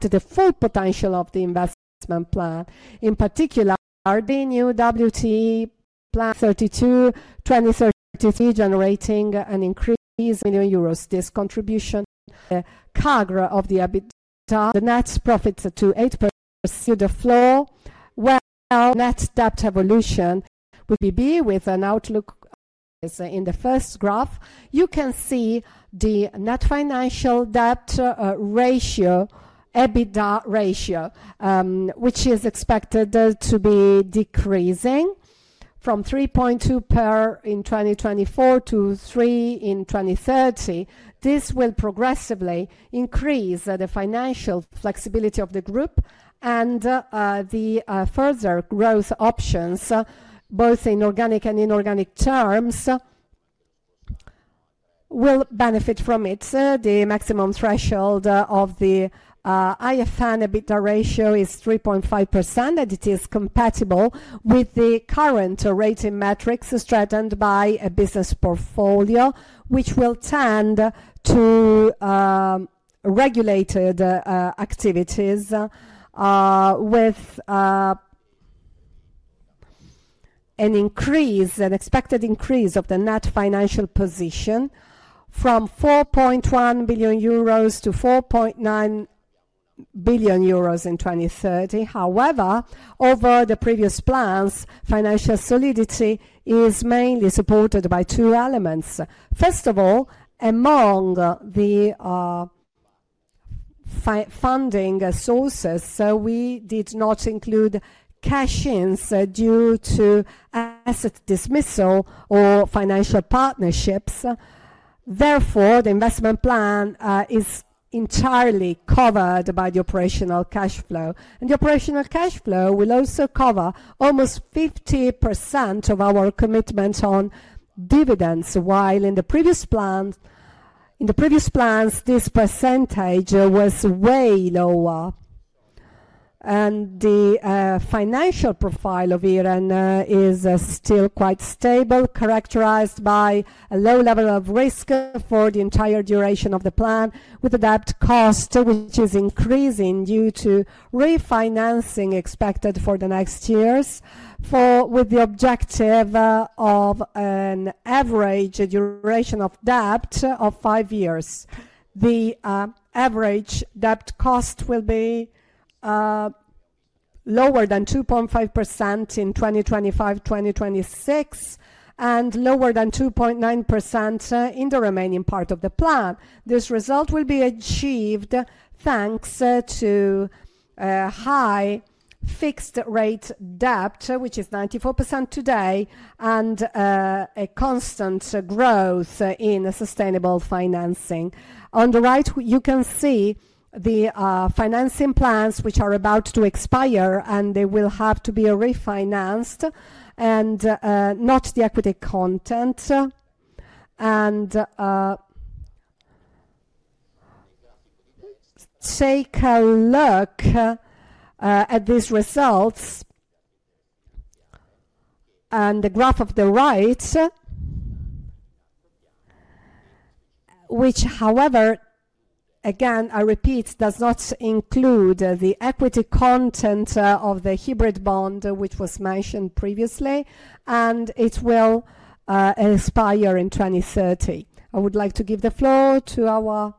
to the full potential of the Investment plan, in particular, RAB New WTE Plan 2032-2033, generating an increase of 1 million euros this contribution. The CAGR of the EBITDA, the net profits to 8% to the floor. Net debt evolution would be with an outlook in the first graph. You can see the net financial debt ratio, EBITDA ratio, which is expected to be decreasing from 3.2 in 2024 to 3 in 2030. This will progressively increase the financial flexibility of the Group, and the further growth options, both in organic and inorganic terms, will benefit from it. The maximum threshold of the IFN EBITDA ratio is 3.5%, and it is compatible with the current rating metrics strengthened by a Business portfolio, which will tend to regulated activities with an increase, an expected increase of the net financial position from 4.1 million euros to 4.9 billion euros in 2030. However, over the previous plans, financial solidity is mainly supported by two elements. First of all, among the funding sources, we did not include cash ins due to asset dismissal or financial partnerships. Therefore, the Investment plan is entirely covered by the operational cash flow. The operational cash flow will also cover almost 50% of our commitment on dividends, while in the previous plans, this percentage was way lower. The Financial Profile of Iren is still quite stable, characterized by a low level of risk for the entire duration of the plan, with a debt cost which is increasing due to refinancing expected for the next years, with the objective of an average duration of debt of five years. The average debt cost will be lower than 2.5% in 2025-2026 and lower than 2.9% in the remaining part of the plan. This result will be achieved thanks to a high fixed rate debt, which is 94% today, and a constant growth in sustainable financing. On the right, you can see the financing plans which are about to expire, and they will have to be refinanced, and not the equity content. Take a look at these results and the graph on the right, which, however, again, I repeat, does not include the equity content of the hybrid bond which was mentioned previously, and it will expire in 2030. I would like to give the floor to our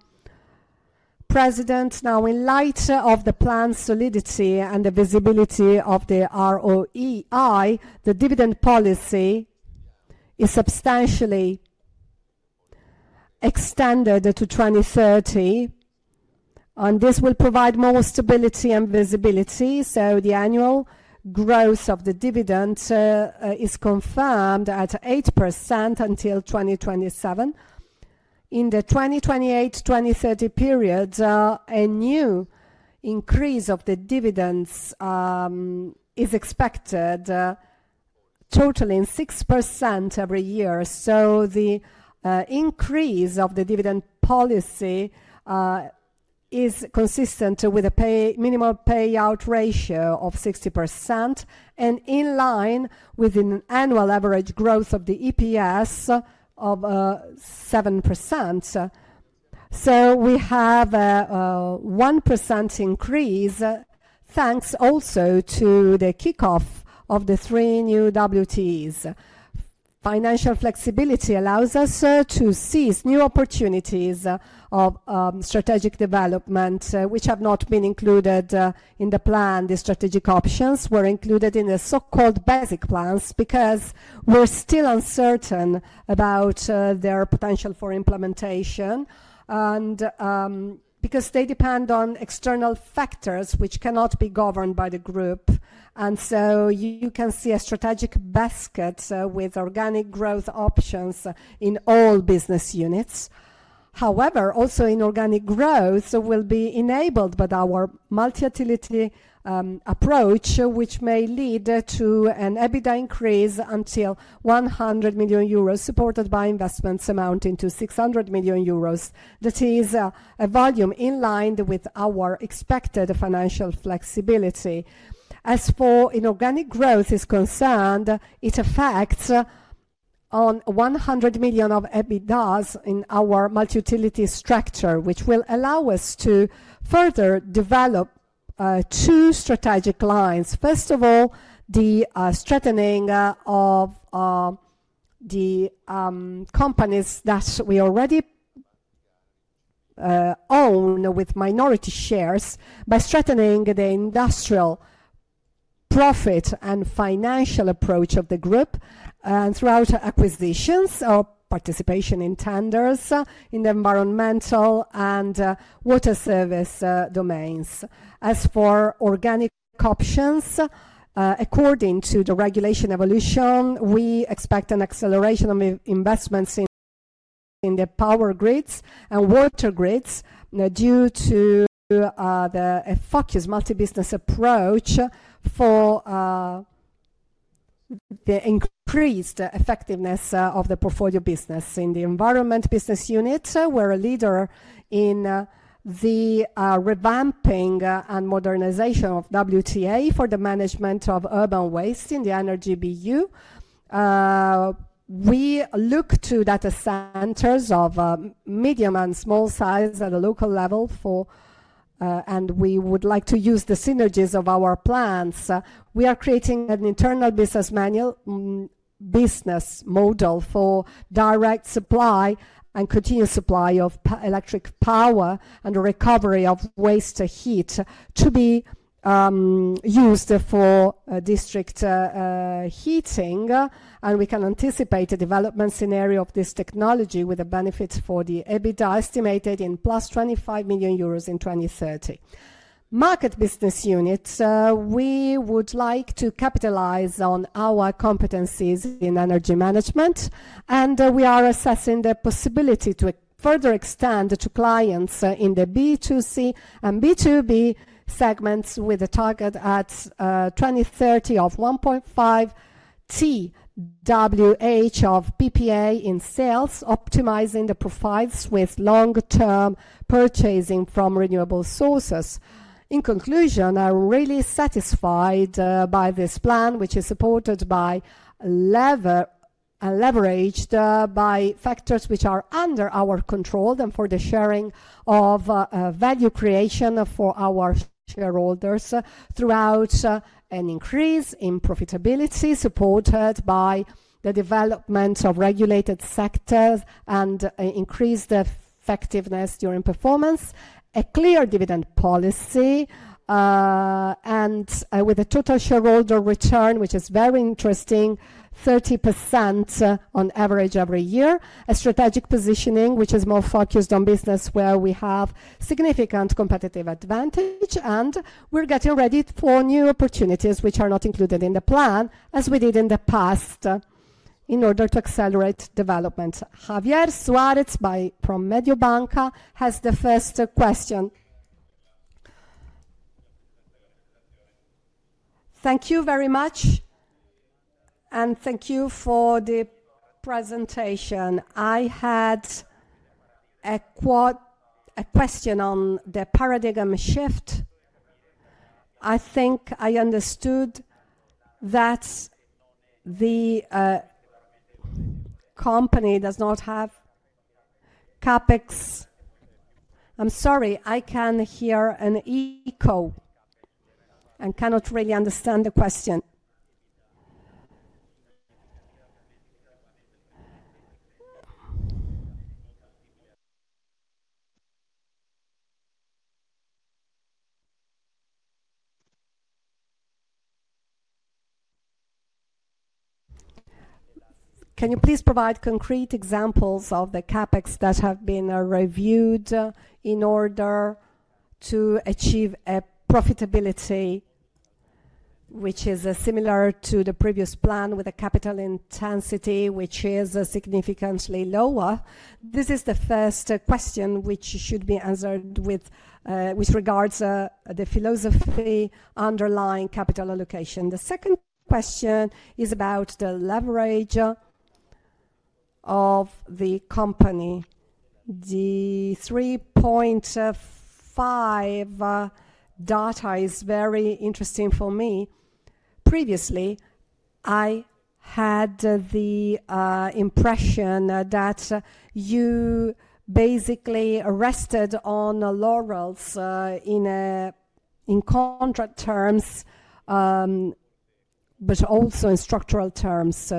President. Now, in light of the plan's solidity and the visibility of the ROEI, the dividend policy is substantially extended to 2030, and this will provide more stability and visibility. The annual growth of the dividend is confirmed at 8% until 2027. In the 2028-2030 period, a new increase of the dividends is expected, totaling 6% every year. The increase of the dividend policy is consistent with a minimal payout ratio of 60% and in line with an annual average growth of the EPS of 7%. We have a 1% increase thanks also to the kickoff of the three new WTEs. Financial flexibility allows us to seize new opportunities of strategic development, which have not been included in the plan. The strategic options were included in the so-called basic plans because we're still uncertain about their potential for implementation and because they depend on external factors which cannot be governed by the Group. You can see a strategic basket with organic growth options in all business units. However, also inorganic growth will be enabled by our multi-utility approach, which may lead to an EBITDA increase up to 100 million euros, supported by investments amounting to 600 million euros. That is a volume in line with our expected financial flexibility. As far as inorganic growth is concerned, it affects on 100 million of EBITDA in our multi-utility structure, which will allow us to further develop two strategic lines. First of all, the strengthening of the companies that we already own with minority shares by strengthening the industrial profit and financial approach of the Group and through acquisitions or participation in tenders in the Environmental and Water Service domains. As for organic options, according to the regulation evolution, we expect an acceleration of investments in the Power Grids and Water Grids due to the focus multi-business approach for the increased effectiveness of the portfolio business. In the Environment Business Unit, we're a leader in the revamping and modernization of WTE for the management of urban waste. In the Energy BU, we look to data centers of medium and small size at a local level, and we would like to use the synergies of our plans. We are creating an internal business manual business model for direct supply and continuous supply of electric power and the recovery of waste heat to be used for District Heating. We can anticipate a development scenario of this technology with a benefit for the EBITDA estimated in 25 million euros in 2030. Market Business Unit, we would like to capitalize on our competencies in Energy Management, and we are assessing the possibility to further extend to clients in the B2C and B2B segments with a target at 2030 of 1.5 TWh of PPA in sales, optimizing the profiles with long-term purchasing from renewable sources. In conclusion, I'm really satisfied by this plan, which is supported by, leveraged by factors which are under our control and for the sharing of value creation for our shareholders throughout an increase in profitability supported by the development of regulated sectors and increased effectiveness during performance, a clear dividend policy, and with a total shareholder return, which is very interesting, 30% on average every year, a strategic positioning which is more focused on business where we have significant competitive advantage. We're getting ready for new opportunities which are not included in the plan as we did in the past in order to accelerate development. Javier Suárez from Mediobanca has the first question. Thank you very much, and thank you for the presentation. I had a question on the paradigm shift. I think I understood that the company does not have CapEx. I'm sorry, I can hear an echo and cannot really understand the question. Can you please provide concrete examples of the CapEx that have been reviewed in order to achieve a profitability which is similar to the previous plan with a capital intensity which is significantly lower? This is the first question which should be answered with regards to the philosophy underlying capital allocation. The second question is about the leverage of the company. The 3.5 data is very interesting for me. Previously, I had the impression that you basically rested on laurels in contract terms, but also in structural terms.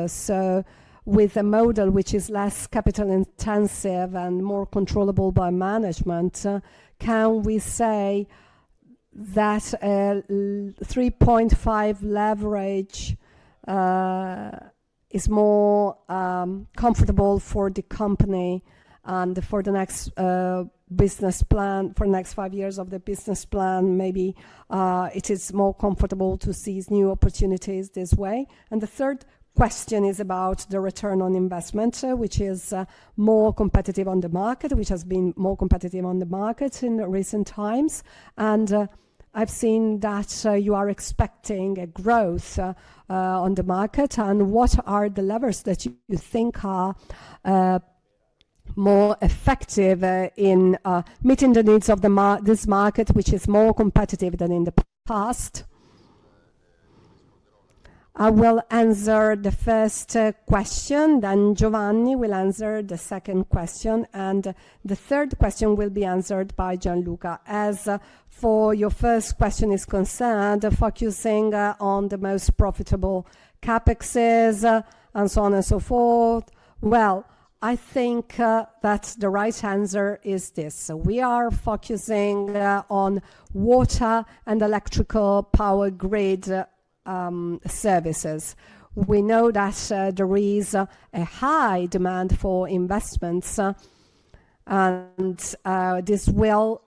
With a model which is less capital intensive and more controllable by management, can we say that 3.5 leverage is more comfortable for the company and for the next Business plan, for the next five years of the Business plan? Maybe it is more comfortable to seize new opportunities this way. The third question is about the return on investment, which is more competitive on the market, which has been more competitive on the market in recent times. I have seen that you are expecting a growth on the market. What are the levers that you think are more effective in meeting the needs of this market, which is more competitive than in the past? I will answer the first question, then Giovanni will answer the second question, and the third question will be answered by Gianluca. As far as your first question is concerned, focusing on the most profitable CapExes and so on and so forth, I think that the right answer is this. We are focusing on Water and Electrical Power Grid Services. We know that there is a high demand for investments, and this will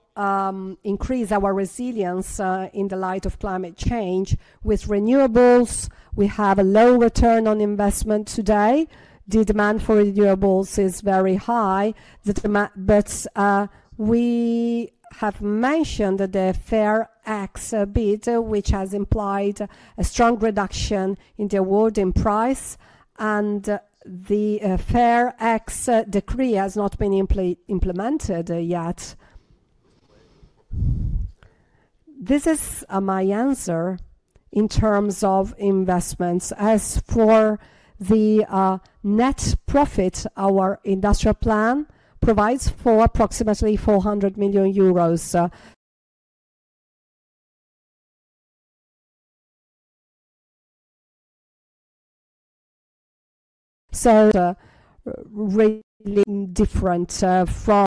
increase our resilience in the light of climate change. With renewables, we have a low return on investment today. The demand for renewables is very high, but we have mentioned the FARE X bid, which has implied a strong reduction in the awarding price, and the FARE X decree has not been implemented yet. This is my answer in terms of investments. As for the net profit, our Industrial plan provides for approximately 400 million euros. Really different from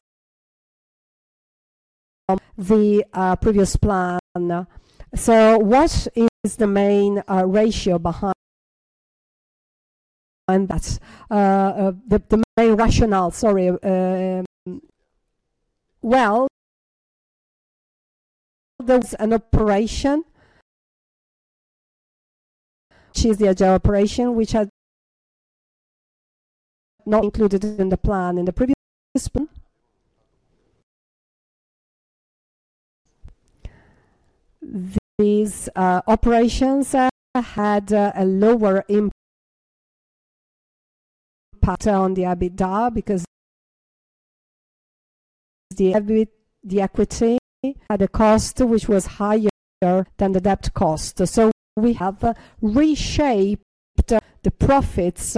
the previous plan. What is the main ratio behind that? The main rationale, sorry. There was an operation, which is the agile operation, which had not been included in the plan. In the previous plan, these operations had a lower impact on the EBITDA because the equity had a cost which was higher than the debt cost. We have reshaped the profits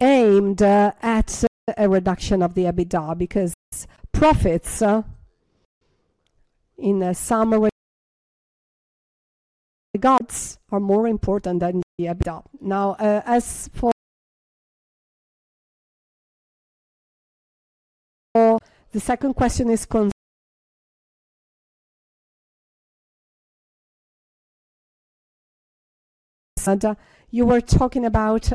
aimed at a reduction of the EBITDA because profits in some regards are more important than the EBITDA. As for the second question, you were talking about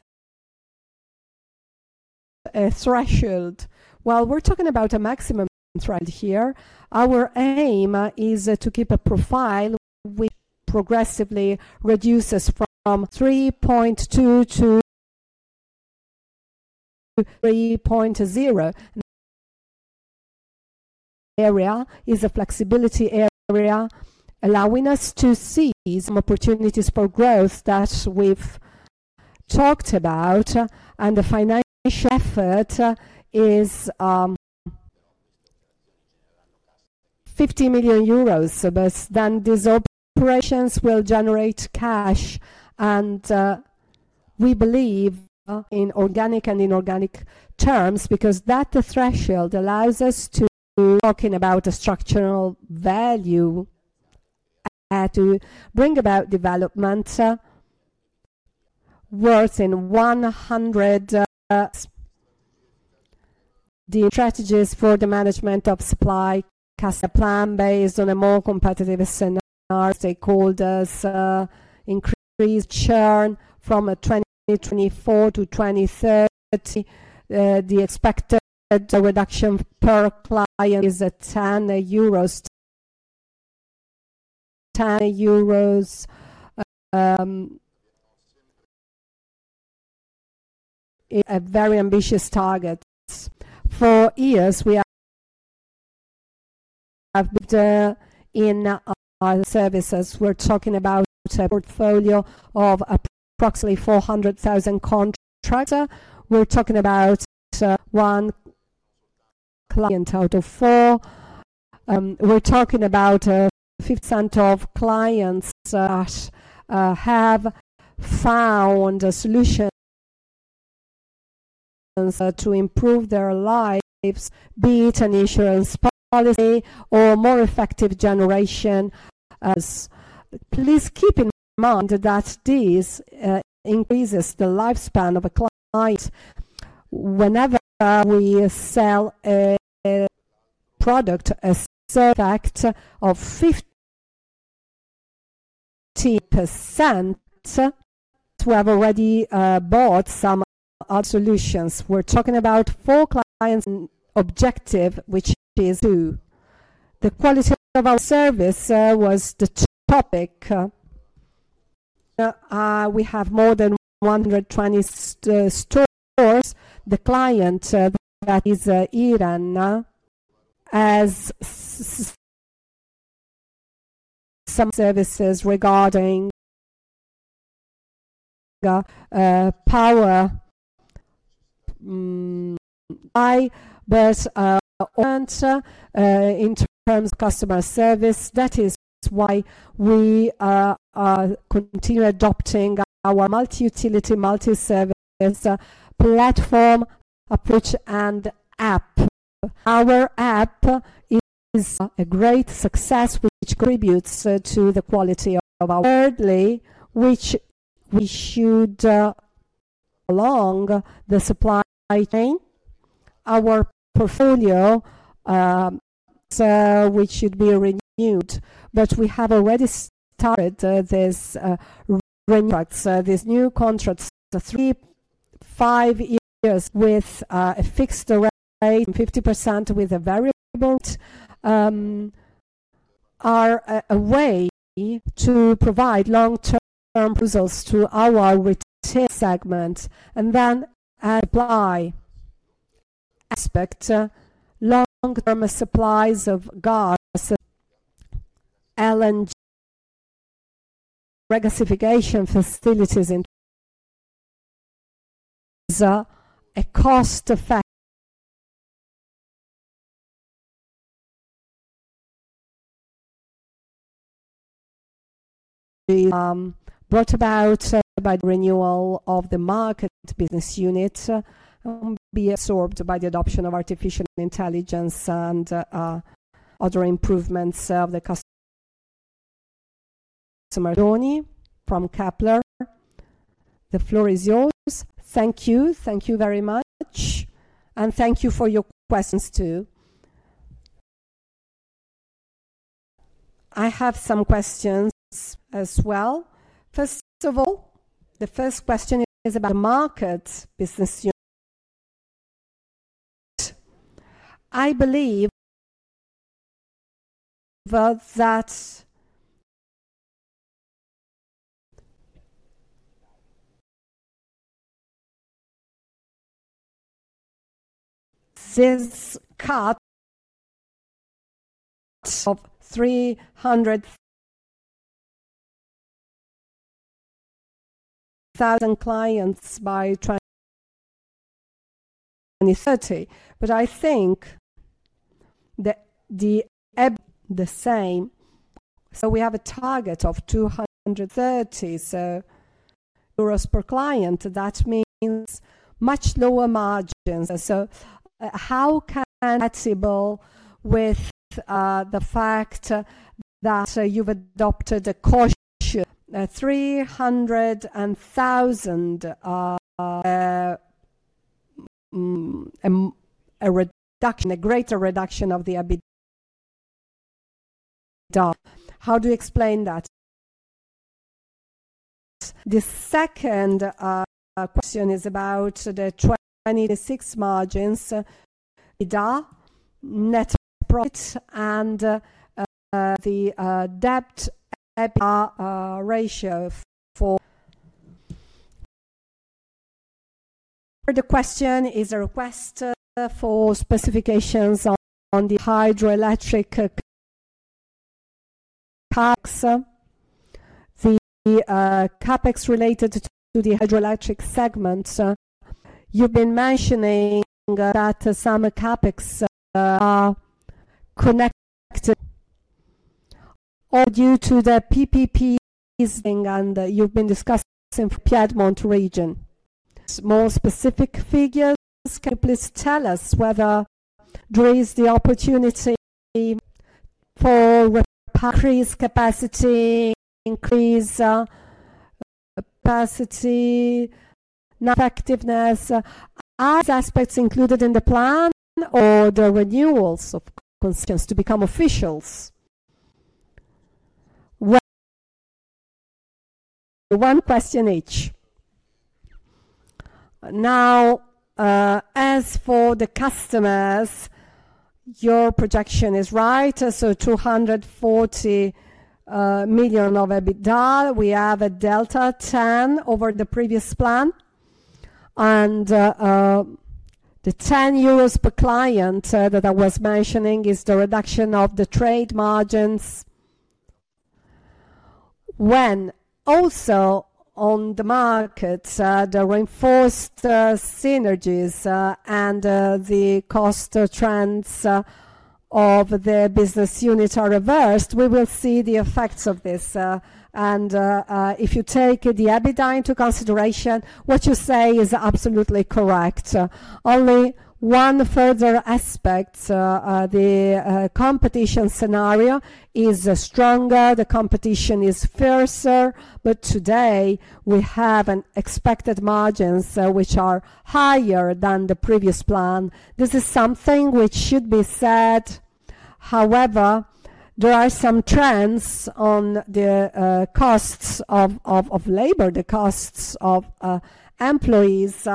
a threshold. We are talking about a maximum threshold here. Our aim is to keep a profile which progressively reduces from 3.2 to 3.0. The area is a flexibility area allowing us to seize some opportunities for growth that we have talked about, and the financial effort is 50 million euros. These operations will generate cash, and we believe in organic and inorganic terms because that threshold allows us to be talking about a structural value to bring about development worth in 100. The strategies for the management of Supply plan based on a more competitive scenario, stakeholders increase churn from 2024-2030. The expected reduction per client is 10 euros. 10 euros is a very ambitious target. For years, we have been in services. We're talking about a portfolio of approximately 400,000 contractors. We're talking about one client out of four. We're talking about 50% of clients that have found a solution to improve their lives, be it an insurance policy or more effective generation. Please keep in mind that this increases the lifespan of a client. Whenever we sell a product, a surfact of 50%, we have already bought some other solutions. We're talking about four clients' objective, which is two. The quality of our service was the topic. We have more than 120 stores. The client that is Iren has some services regarding power. In terms of customer service, that is why we continue adopting our multi-utility, multi-service platform approach and app. Our app is a great success, which contributes to the quality of our... Thirdly, which we should along the supply chain, our portfolio which should be renewed. We have already started this renewal, these new contracts for 3-5 years with a fixed rate of 50% with a variable rate are a way to provide long-term results to our retail segment. The supply aspect, long-term supplies of Gas, LNG, regasification facilities is a cost effect. Brought about by the renewal of the market business unit and be absorbed by the adoption of artificial intelligence and other improvements of the customer. From Kepler, the floor is yours. Thank you. Thank you very much. Thank you for your questions too. I have some questions as well. First of all, the first question is about the Market Business Unit. I believe that this cut of 300,000 clients by 2030. I think the... be the same. We have a target of 230 euros per client. That means much lower margins. How can that be compatible with the fact that you've adopted a caution? EUR 300,000, a reduction, a greater reduction of the EBITDA. How do you explain that? The second question is about the 2026 margins, EBITDA, net profit, and the debt-EBITDA ratio. The question is a request for specifications on the hydroelectric CapEx. The CapEx related to the Hydroelectric segment. You've been mentioning that some CapEx are connected due to the PPPs and you've been discussing the Piedmont region. More specific figures, can you please tell us whether there is the opportunity for increased capacity, increased capacity, effectiveness? Are these aspects included in the plan or the renewals to become official? One question each. As for the customers, your projection is right. 240 million of EBITDA, we have a delta 10 over the previous plan. The 10 euros per client that I was mentioning is the reduction of the trade margins. When also on the market, the reinforced synergies and the cost trends of the business unit are reversed, we will see the effects of this. If you take the EBITDA into consideration, what you say is absolutely correct. Only one further aspect, the competition scenario is stronger, the competition is fiercer, but today we have expected margins which are higher than the previous plan. This is something which should be said. However, there are some trends on the costs of labor, the costs of employees,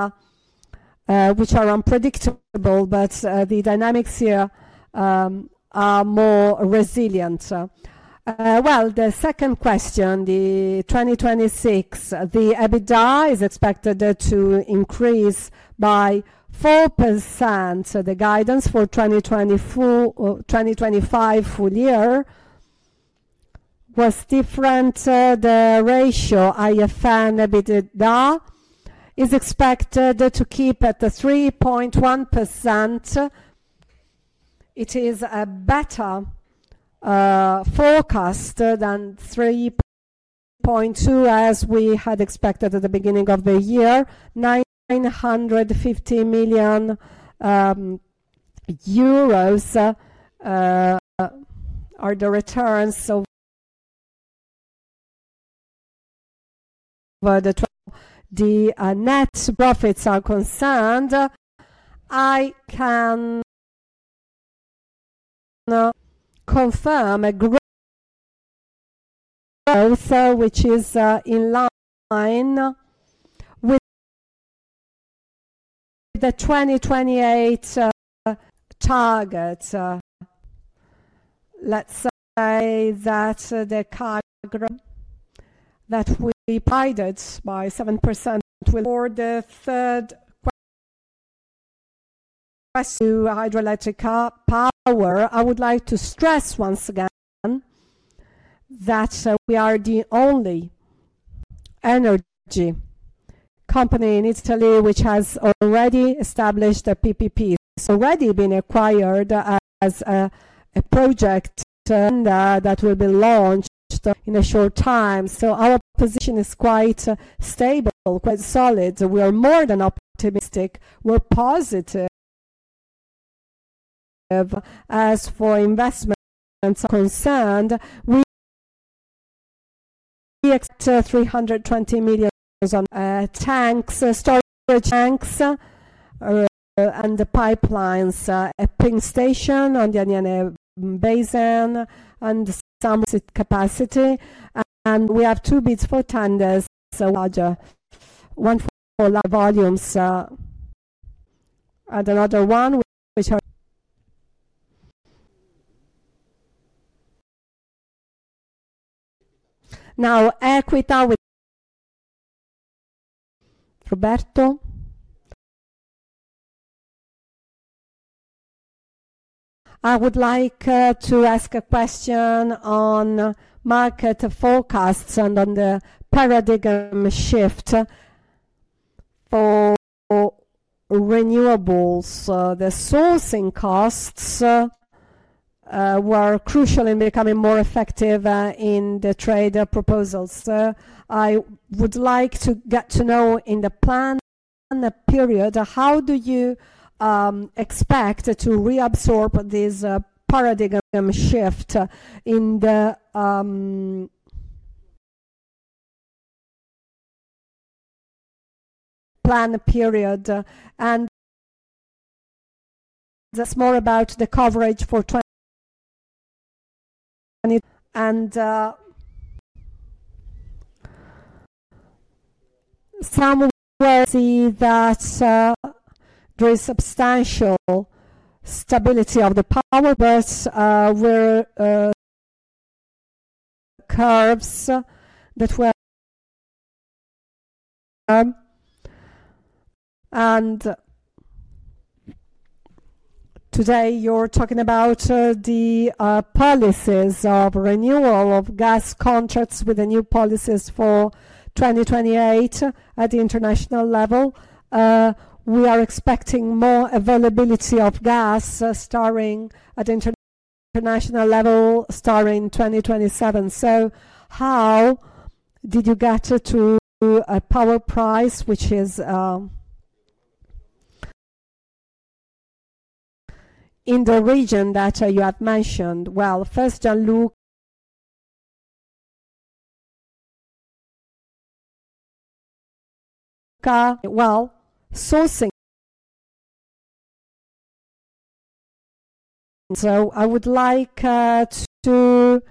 which are unpredictable, but the dynamics here are more resilient. The second question, the 2026, the EBITDA is expected to increase by 4%. The guidance for 2025 full year was different. The ratio IFN EBITDA is expected to keep at 3.1%. It is a better forecast than 3.2% as we had expected at the beginning of the year. 950 million euros are the returns over the... The net profits are concerned, I can confirm a growth which is in line with the 2028 target. Let's say that the chart that we provided by 7%. For the third question to Hydroelectric Power, I would like to stress once again that we are the only energy company in Italy which has already established a PPP. It's already been acquired as a project that will be launched in a short time. Our position is quite stable, quite solid. We are more than optimistic. We're positive. As for investments concerned, we expect 320 million on tanks, storage tanks, and pipelines, a pink station on the Anniana basin and some capacity. We have two bids for tenders. A larger one for volumes and another one which... Now, Equita Roberto. I would like to ask a question on market forecasts and on the paradigm shift for renewables. The sourcing costs were crucial in becoming more effective in the trade proposals. I would like to get to know in the plan period, how do you expect to reabsorb this paradigm shift in the plan period? That is more about the coverage for... Some will see that there is substantial stability of the power, but there were curves that were... Today you are talking about the policies of renewal of gas contracts with the new policies for 2028 at the international level. We are expecting more availability of gas at the international level starting 2027. How did you get to a Power price which is in the region that you have mentioned? First, sourcing. I would like to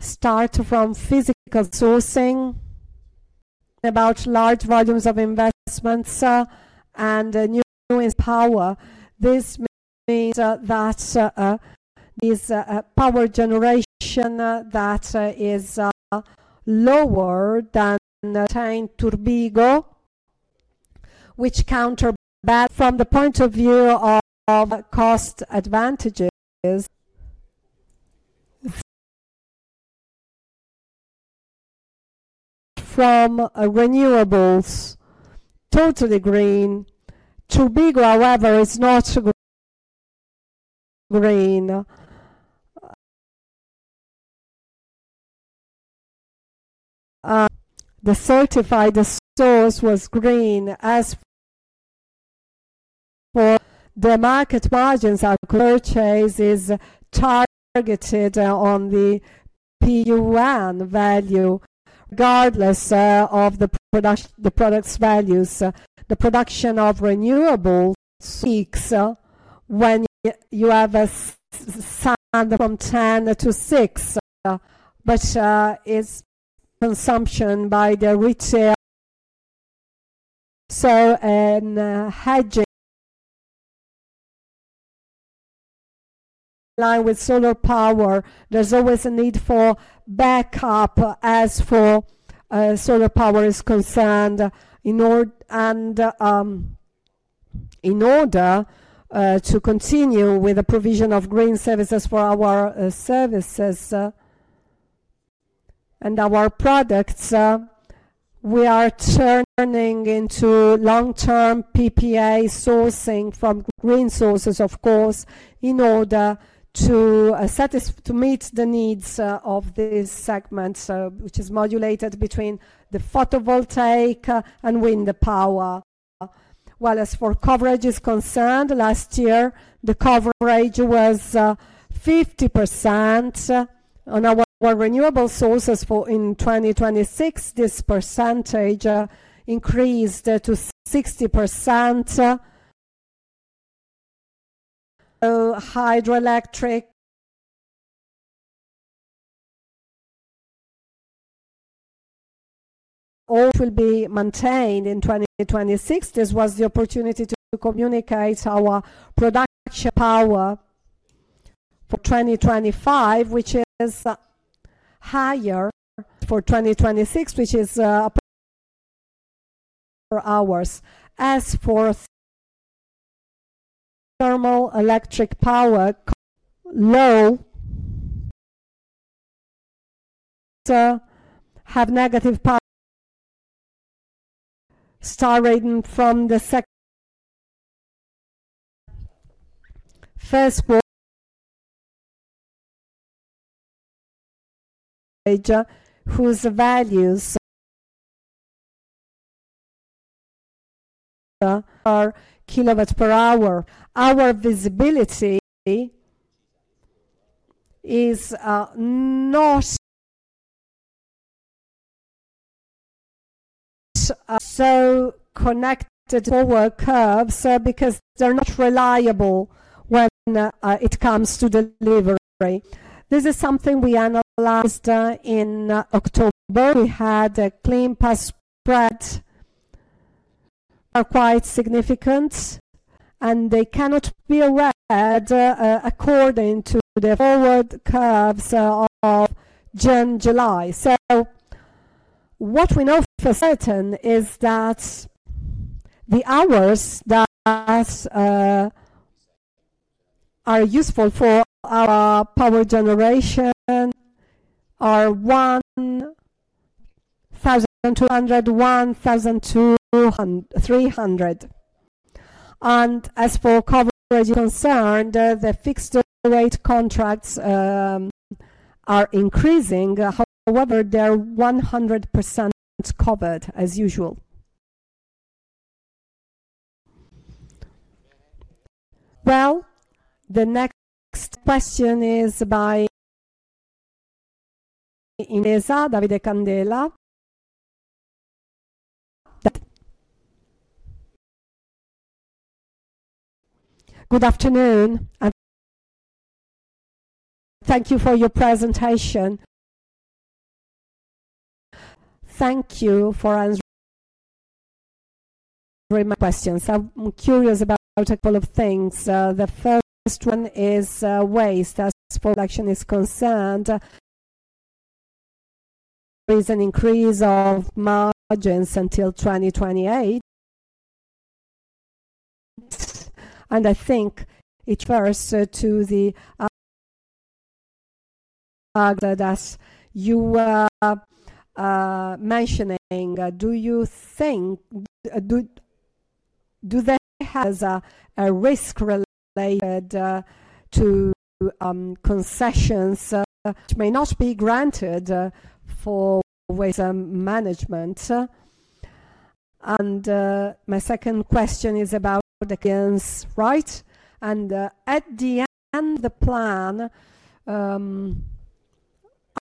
start from physical sourcing about large volumes of investments and new power. This means that this power generation that is lower than contained Turbigo, which counterbalances from the point of view of cost advantages. From renewables, totally green. Turbigo, however, is not green. The certified source was green as for the market margins are purchased, is targeted on the PUN value. Regardless of the products' values, the production of renewables peaks when you have a sum from 10 to 6, but it is consumption by the retail. In hedging aligned with solar power, there is always a need for backup as far as solar power is concerned. In order to continue with the provision of green services for our services and our products, we are turning into long-term PPA sourcing from green sources, of course, in order to meet the needs of this segment, which is modulated between the photovoltaic and wind power. As for coverage is concerned, last year the coverage was 50%. On our renewable sources in 2026, this percentage increased to 60%. Hydroelectric will be maintained in 2026. This was the opportunity to communicate our production power for 2025, which is higher for 2026, which is up for hours. As for thermal electric power, low have negative power starting from the first stage whose values are kilowatts per hour. Our visibility is not so connected forward curves because they're not reliable when it comes to delivery. This is something we analyzed in October. We had a clean spark spread quite significant, and they cannot be read according to the forward curves of June, July. What we know for certain is that the hours that are useful for our power generation are 1,200, 1,200, 300. As for coverage concerned, the fixed rate contracts are increasing. However, they're 100% covered as usual. The next question is by David Candela. Good afternoon. Thank you for your presentation. Thank you for answering my questions. I'm curious about a couple of things. The first one is Waste. As for election is concerned, there is an increase of margins until 2028. I think it refers to the... that you were mentioning, do you think do they have a risk related to concessions which may not be granted for Waste Management? My second question is about the... right? At the end of the plan,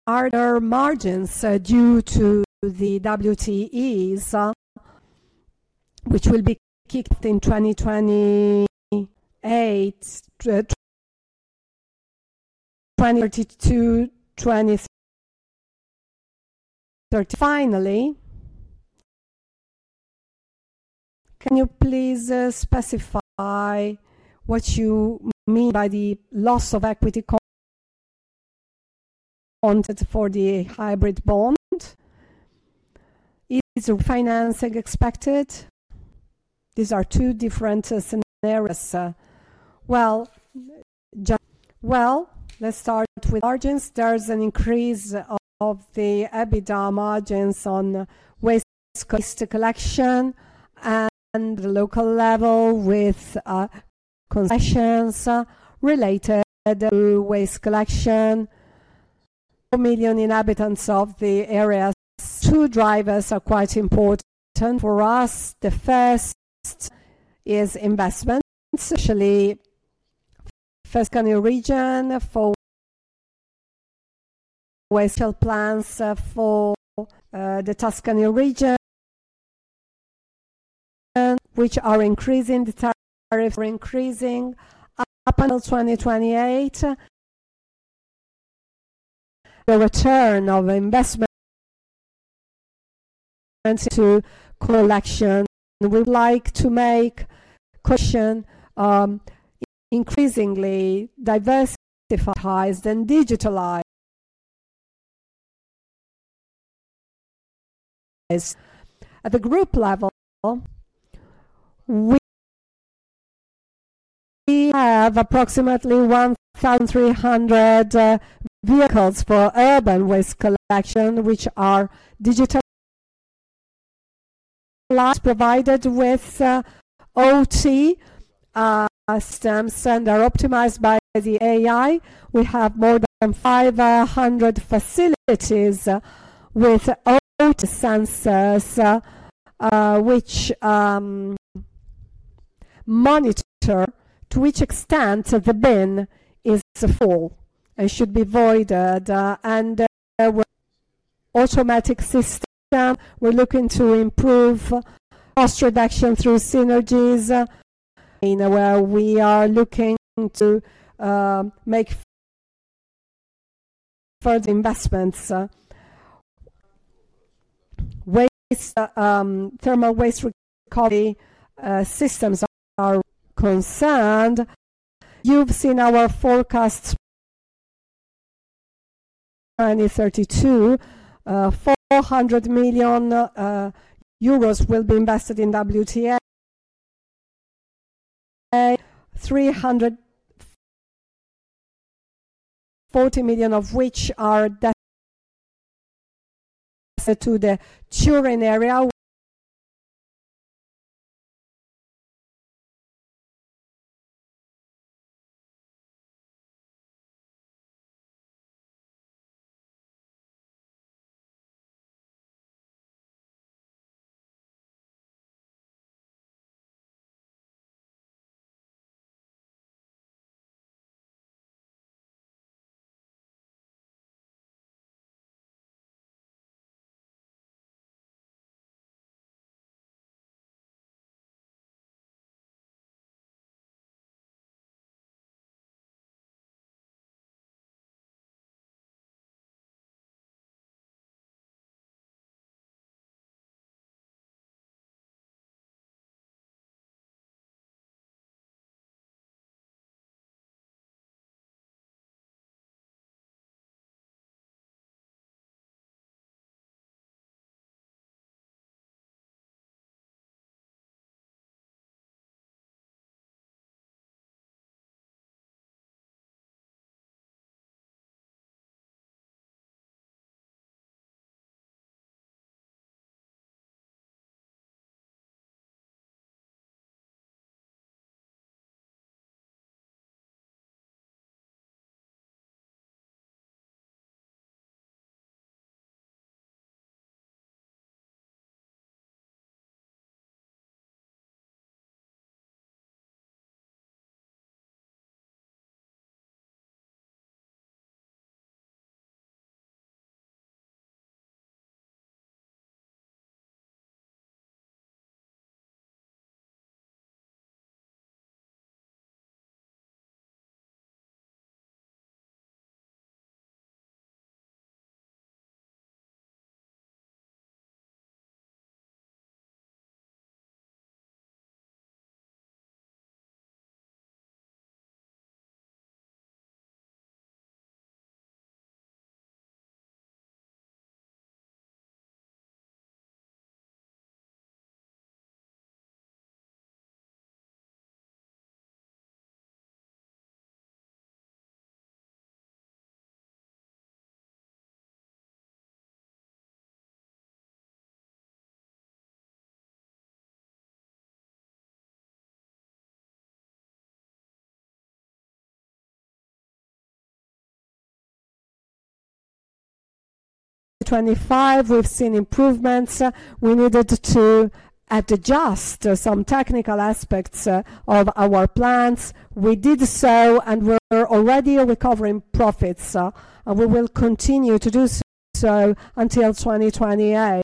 are there margins due to the WTEs which will be kicked in 2028, 2032, 2033? Finally, can you please specify what you mean by the loss of equity wanted for the hybrid bond? Is refinancing expected? These are two different scenarios. Let's start with margins. There is an increase of the EBITDA margins on waste collection at the local level with concessions related to waste collection. Four million inhabitants of the area. Two drivers are quite important for us. The first is investments, especially for the Tuscany region, for waste plans for the Tuscany region, which are increasing. The tariffs are increasing up until 2028. The return of investment to collection. We would like to make collection increasingly diversified and digitalized. At the group level, we have approximately 1,300 vehicles for urban waste collection, which are digitalized, provided with OT systems, and are optimized by the AI. We have more than 500 facilities with OT sensors which monitor to which extent the bin is full and should be voided. There were automatic systems. We are looking to improve cost reduction through synergies. We are looking to make further investments. Thermal waste recovery systems are concerned. You have seen our forecasts for 2032. 400 million euros will be invested in WTE, EUR 340 million of which are destined to the Turin area. In 2025, we have seen improvements. We needed to adjust some technical aspects of our plants. We did so, and we are already recovering profits. We will continue to do so until 2028.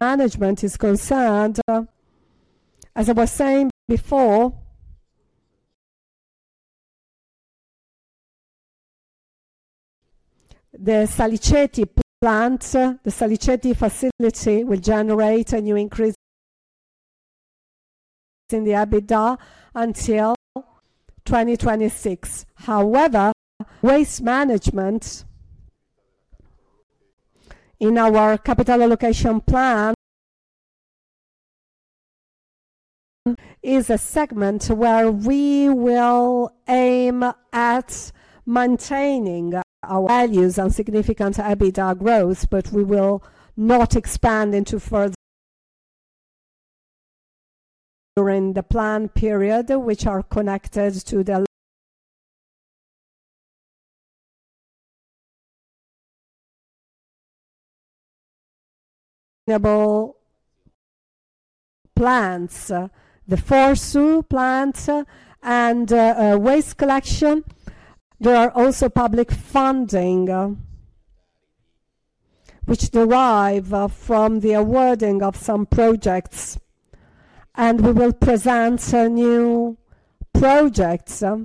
Management is concerned. As I was saying before, the Saliceti plant, the Saliceti facility, will generate a new increase in the EBITDA until 2026. However, Waste Management in our Capital Allocation plan is a segment where we will aim at maintaining our values and significant EBITDA growth, but we will not expand into further during the plan period, which are connected to the renewable plants, the FORSU plants, and waste collection. There are also public funding which derive from the awarding of some projects. We will present new projects and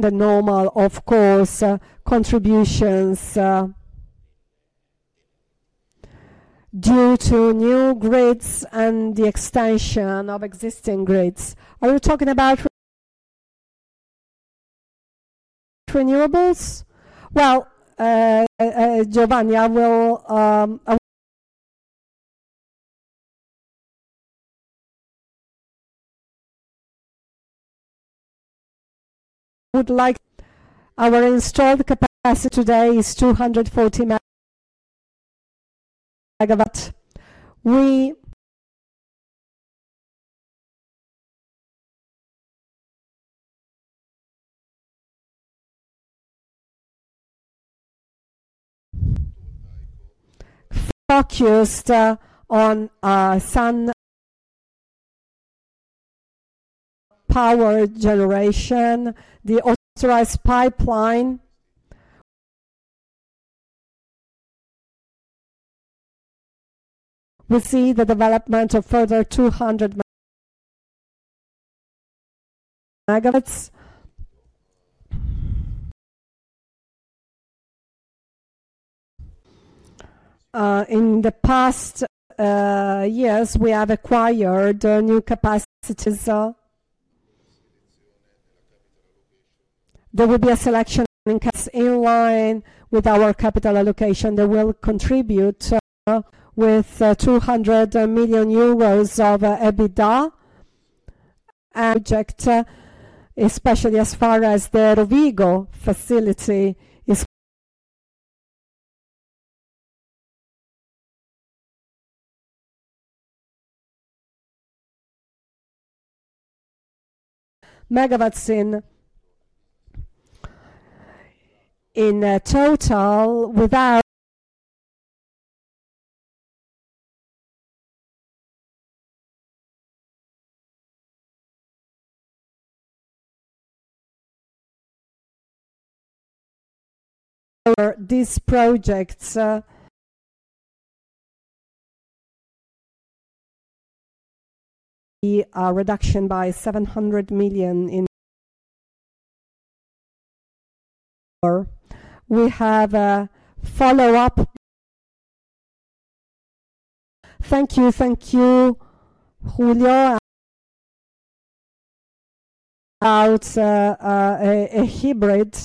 the normal, of course, contributions due to new grids and the extension of existing grids. Are you talking about renewables? Giovanna, I would like our installed capacity today is 240 MW. We focused on sun power generation, the authorized pipeline. We see the development of further 200 MW. In the past years, we have acquired new capacities. There will be a selection in case in line with our capital allocation. They will contribute with 200 million euros of EBITDA. And project, especially as far as the Rovigo facility is MWin total. For these projects, a reduction by EUR 700 million in. We have a follow-up. Thank you. Thank you, Julia. A hybrid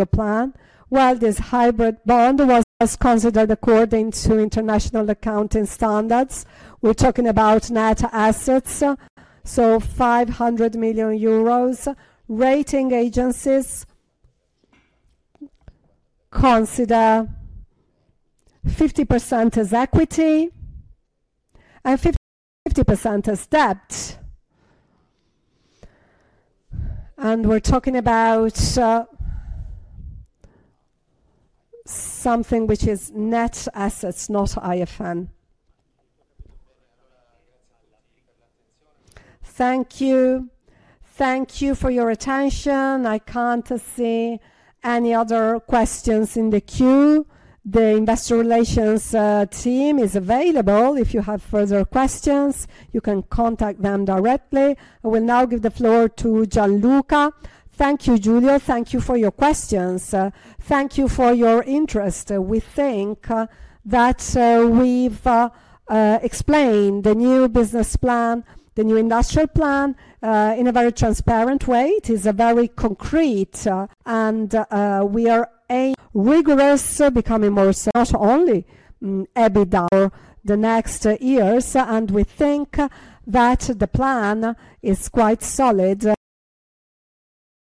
plan. This hybrid bond was considered according to international accounting standards. We're talking about net assets. 500 million euros. Rating agencies consider 50% as equity and 50% as debt. We're talking about something which is net assets, not IFN. Thank you. Thank you for your attention. I can't see any other questions in the queue. The Investor Relations team is available. If you have further questions, you can contact them directly. I will now give the floor to Gianluca. Thank you, Julia. Thank you for your questions. Thank you for your interest. We think that we've explained the new Business plan, the new Industrial plan in a very transparent way. It is very concrete. And we are rigorous, becoming more not only EBITDA for the next years. We think that the plan is quite solid.